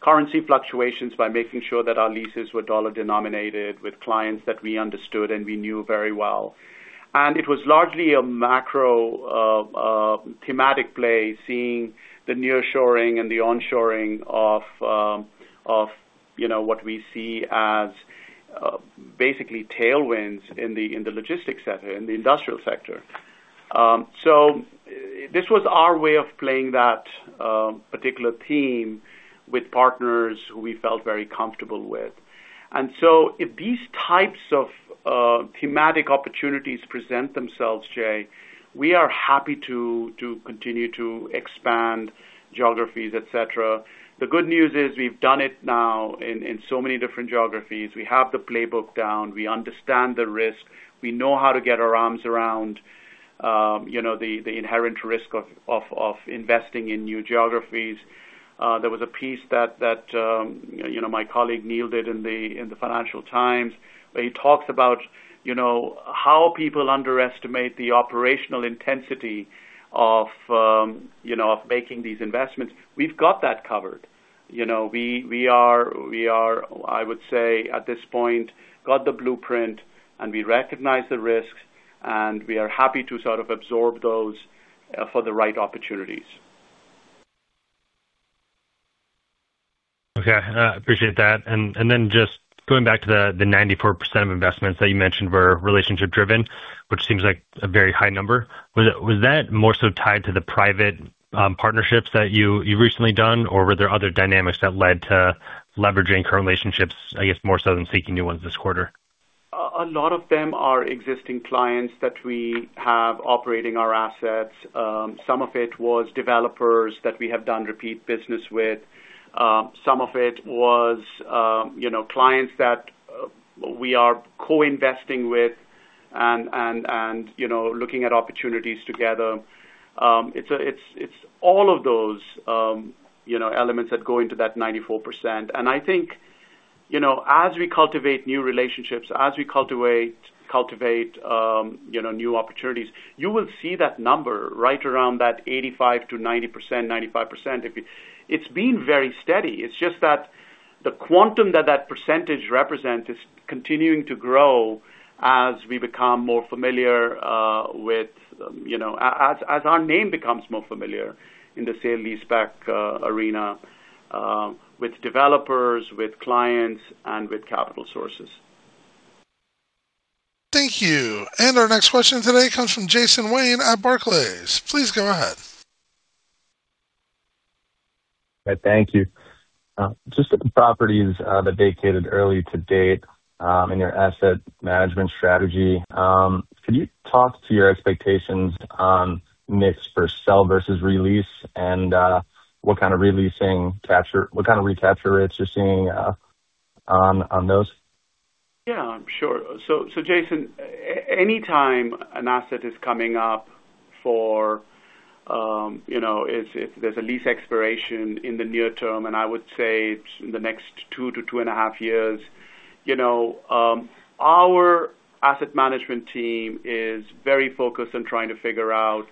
currency fluctuations by making sure that our leases were dollar-denominated with clients that we understood and we knew very well. It was largely a macro thematic play, seeing the nearshoring and the onshoring of, you know, what we see as basically tailwinds in the logistics sector, in the industrial sector. This was our way of playing that particular theme with partners who we felt very comfortable with. If these types of thematic opportunities present themselves, Jay, we are happy to continue to expand geographies, et cetera. The good news is we've done it now in so many different geographies. We have the playbook down. We understand the risk. We know how to get our arms around, you know, the inherent risk of investing in new geographies. There was a piece that, you know, my colleague Neil did in the Financial Times, where he talked about, you know, how people underestimate the operational intensity of, you know, making these investments. We've got that covered. You know, we are, I would say at this point, got the blueprint, and we recognize the risks, and we are happy to sort of absorb those for the right opportunities.
Okay. Appreciate that. Then just going back to the 94% of investments that you mentioned were relationship driven, which seems like a very high number. Was that more so tied to the private partnerships that you recently done, or were there other dynamics that led to leveraging current relationships, I guess, more so than seeking new ones this quarter?
A lot of them are existing clients that we have operating our assets. Some of it was developers that we have done repeat business with. Some of it was, you know, clients that we are co-investing with and, and, you know, looking at opportunities together. It's all of those, you know, elements that go into that 94%. I think, you know, as we cultivate new relationships, as we cultivate, you know, new opportunities, you will see that number right around that 85%-90%, 95%. It's been very steady. It's just that the quantum that percentage represents is continuing to grow as we become more familiar, with, you know, as our name becomes more familiar in the sale-leaseback arena, with developers, with clients, and with capital sources.
Thank you. Our next question today comes from Jason Wayne at Barclays. Please go ahead.
Right. Thank you. Just on the properties that vacated early to date, in your asset management strategy, could you talk to your expectations on mix for sell versus release and what kind of recapture rates you're seeing on those?
Yeah, sure. Jason, anytime an asset is coming up for, you know, there's a lease expiration in the near term, and I would say it's in the next 2-2.5 years. You know, our asset management team is very focused on trying to figure out,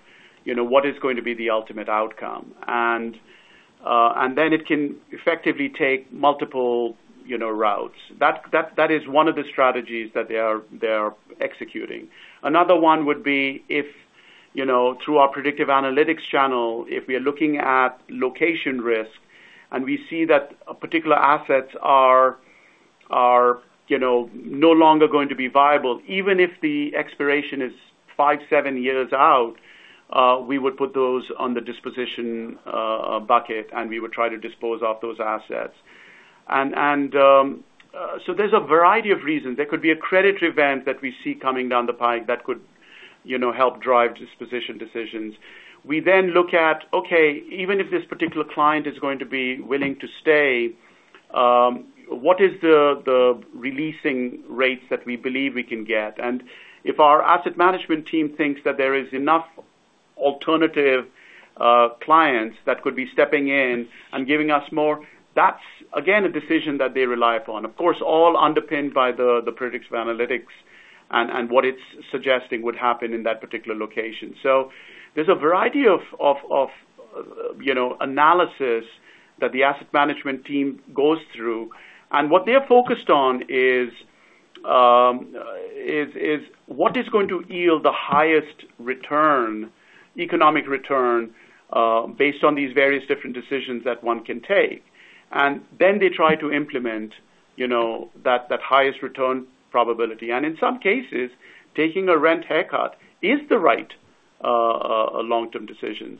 you know, what is going to be the ultimate outcome. It can effectively take multiple, you know, routes. That is one of the strategies that they are executing. Another one would be if, you know, through our predictive analytics channel, if we are looking at location risk and we see that particular assets are, you know, no longer going to be viable, even if the expiration is five, seven years out, we would put those on the disposition bucket, and we would try to dispose of those assets. There's a variety of reasons. There could be a credit event that we see coming down the pipe that could, you know, help drive disposition decisions. We look at, okay, even if this particular client is going to be willing to stay, what is the releasing rates that we believe we can get? If our asset management team thinks that there is enough alternative clients that could be stepping in and giving us more, that's again, a decision that they rely upon. Of course, all underpinned by the predictive analytics and what it's suggesting would happen in that particular location. There's a variety of, of, you know, analysis that the asset management team goes through. What they're focused on is what is going to yield the highest return, economic return, based on these various different decisions that one can take. Then they try to implement, you know, that highest return probability. In some cases, taking a rent haircut is the right long-term decision.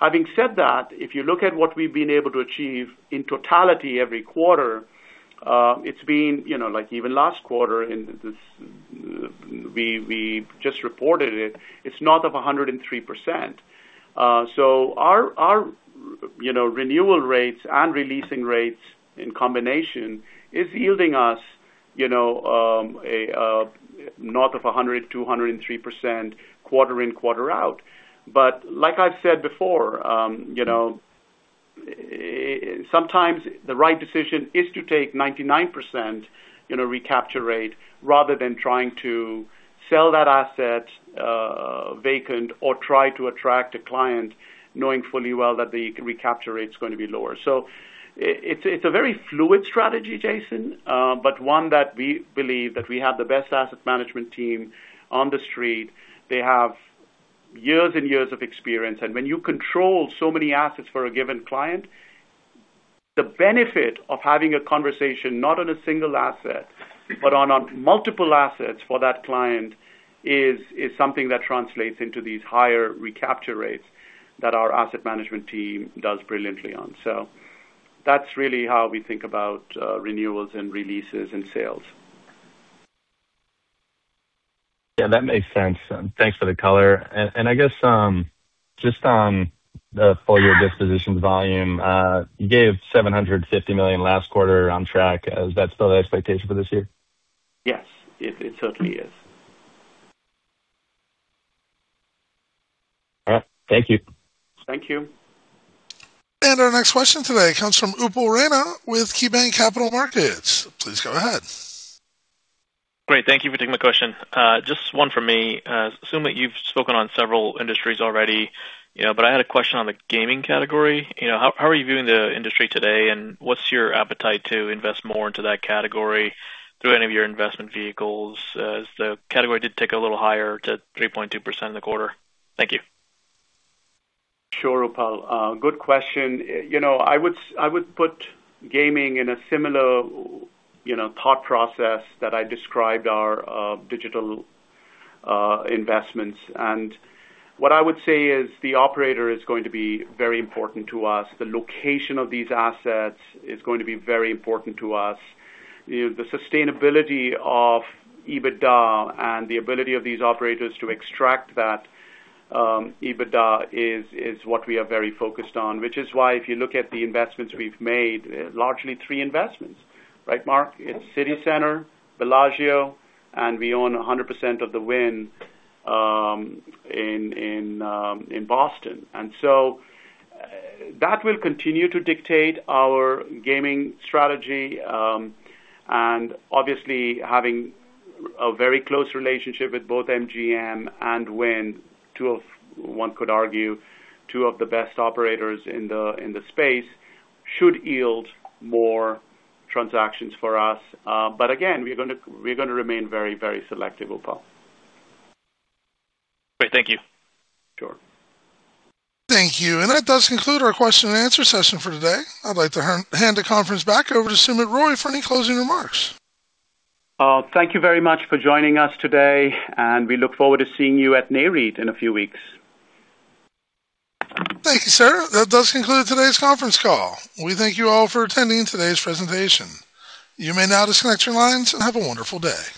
Having said that, if you look at what we've been able to achieve in totality every quarter, it's been, you know, like even last quarter, we just reported it. It's north of 103%. Our, our, you know, renewal rates and releasing rates in combination is yielding us, you know, north of 100%-103% quarter in, quarter out. Like I've said before, you know, sometimes the right decision is to take 99%, you know, recapture rate rather than trying to sell that asset vacant or try to attract a client knowing fully well that the recapture rate is gonna be lower. It's a very fluid strategy, Jason, but one that we believe that we have the best asset management team on the street. They have years and years of experience. When you control so many assets for a given client, the benefit of having a conversation not on a single asset, but on a multiple assets for that client is something that translates into these higher recapture rates that our asset management team does brilliantly on. That's really how we think about renewals and releases and sales.
Yeah, that makes sense. Thanks for the color. I guess, just on the full year disposition volume, you gave $750 million last quarter on track. Is that still the expectation for this year?
Yes, it certainly is.
All right. Thank you.
Thank you.
Our next question today comes from Upal Rana with KeyBanc Capital Markets. Please go ahead.
Great. Thank you for taking my question. Just one for me. Sumit, you've spoken on several industries already, you know. I had a question on the gaming category. You know, how are you viewing the industry today, and what's your appetite to invest more into that category through any of your investment vehicles, as the category did tick a little higher to 3.2% in the quarter? Thank you.
Sure, Upal. Good question. You know, I would put gaming in a similar, you know, thought process that I described our digital investments. What I would say is the operator is going to be very important to us. The location of these assets is going to be very important to us. You know, the sustainability of EBITDA and the ability of these operators to extract that EBITDA is what we are very focused on, which is why if you look at the investments we've made, largely three investments, right, Mark? It's CityCenter, Bellagio, and we own 100% of the Wynn in Boston. That will continue to dictate our gaming strategy, and obviously having a very close relationship with both MGM and Wynn, one could argue, two of the best operators in the space, should yield more transactions for us. Again, we're gonna remain very, very selective, Upal.
Great. Thank you.
Sure.
Thank you. That does conclude our question and answer session for today. I'd like to hand the conference back over to Sumit Roy for any closing remarks.
Thank you very much for joining us today, and we look forward to seeing you at Nareit in a few weeks.
Thank you, sir. That does conclude today's conference call. We thank you all for attending today's presentation. You may now disconnect your lines, and have a wonderful day.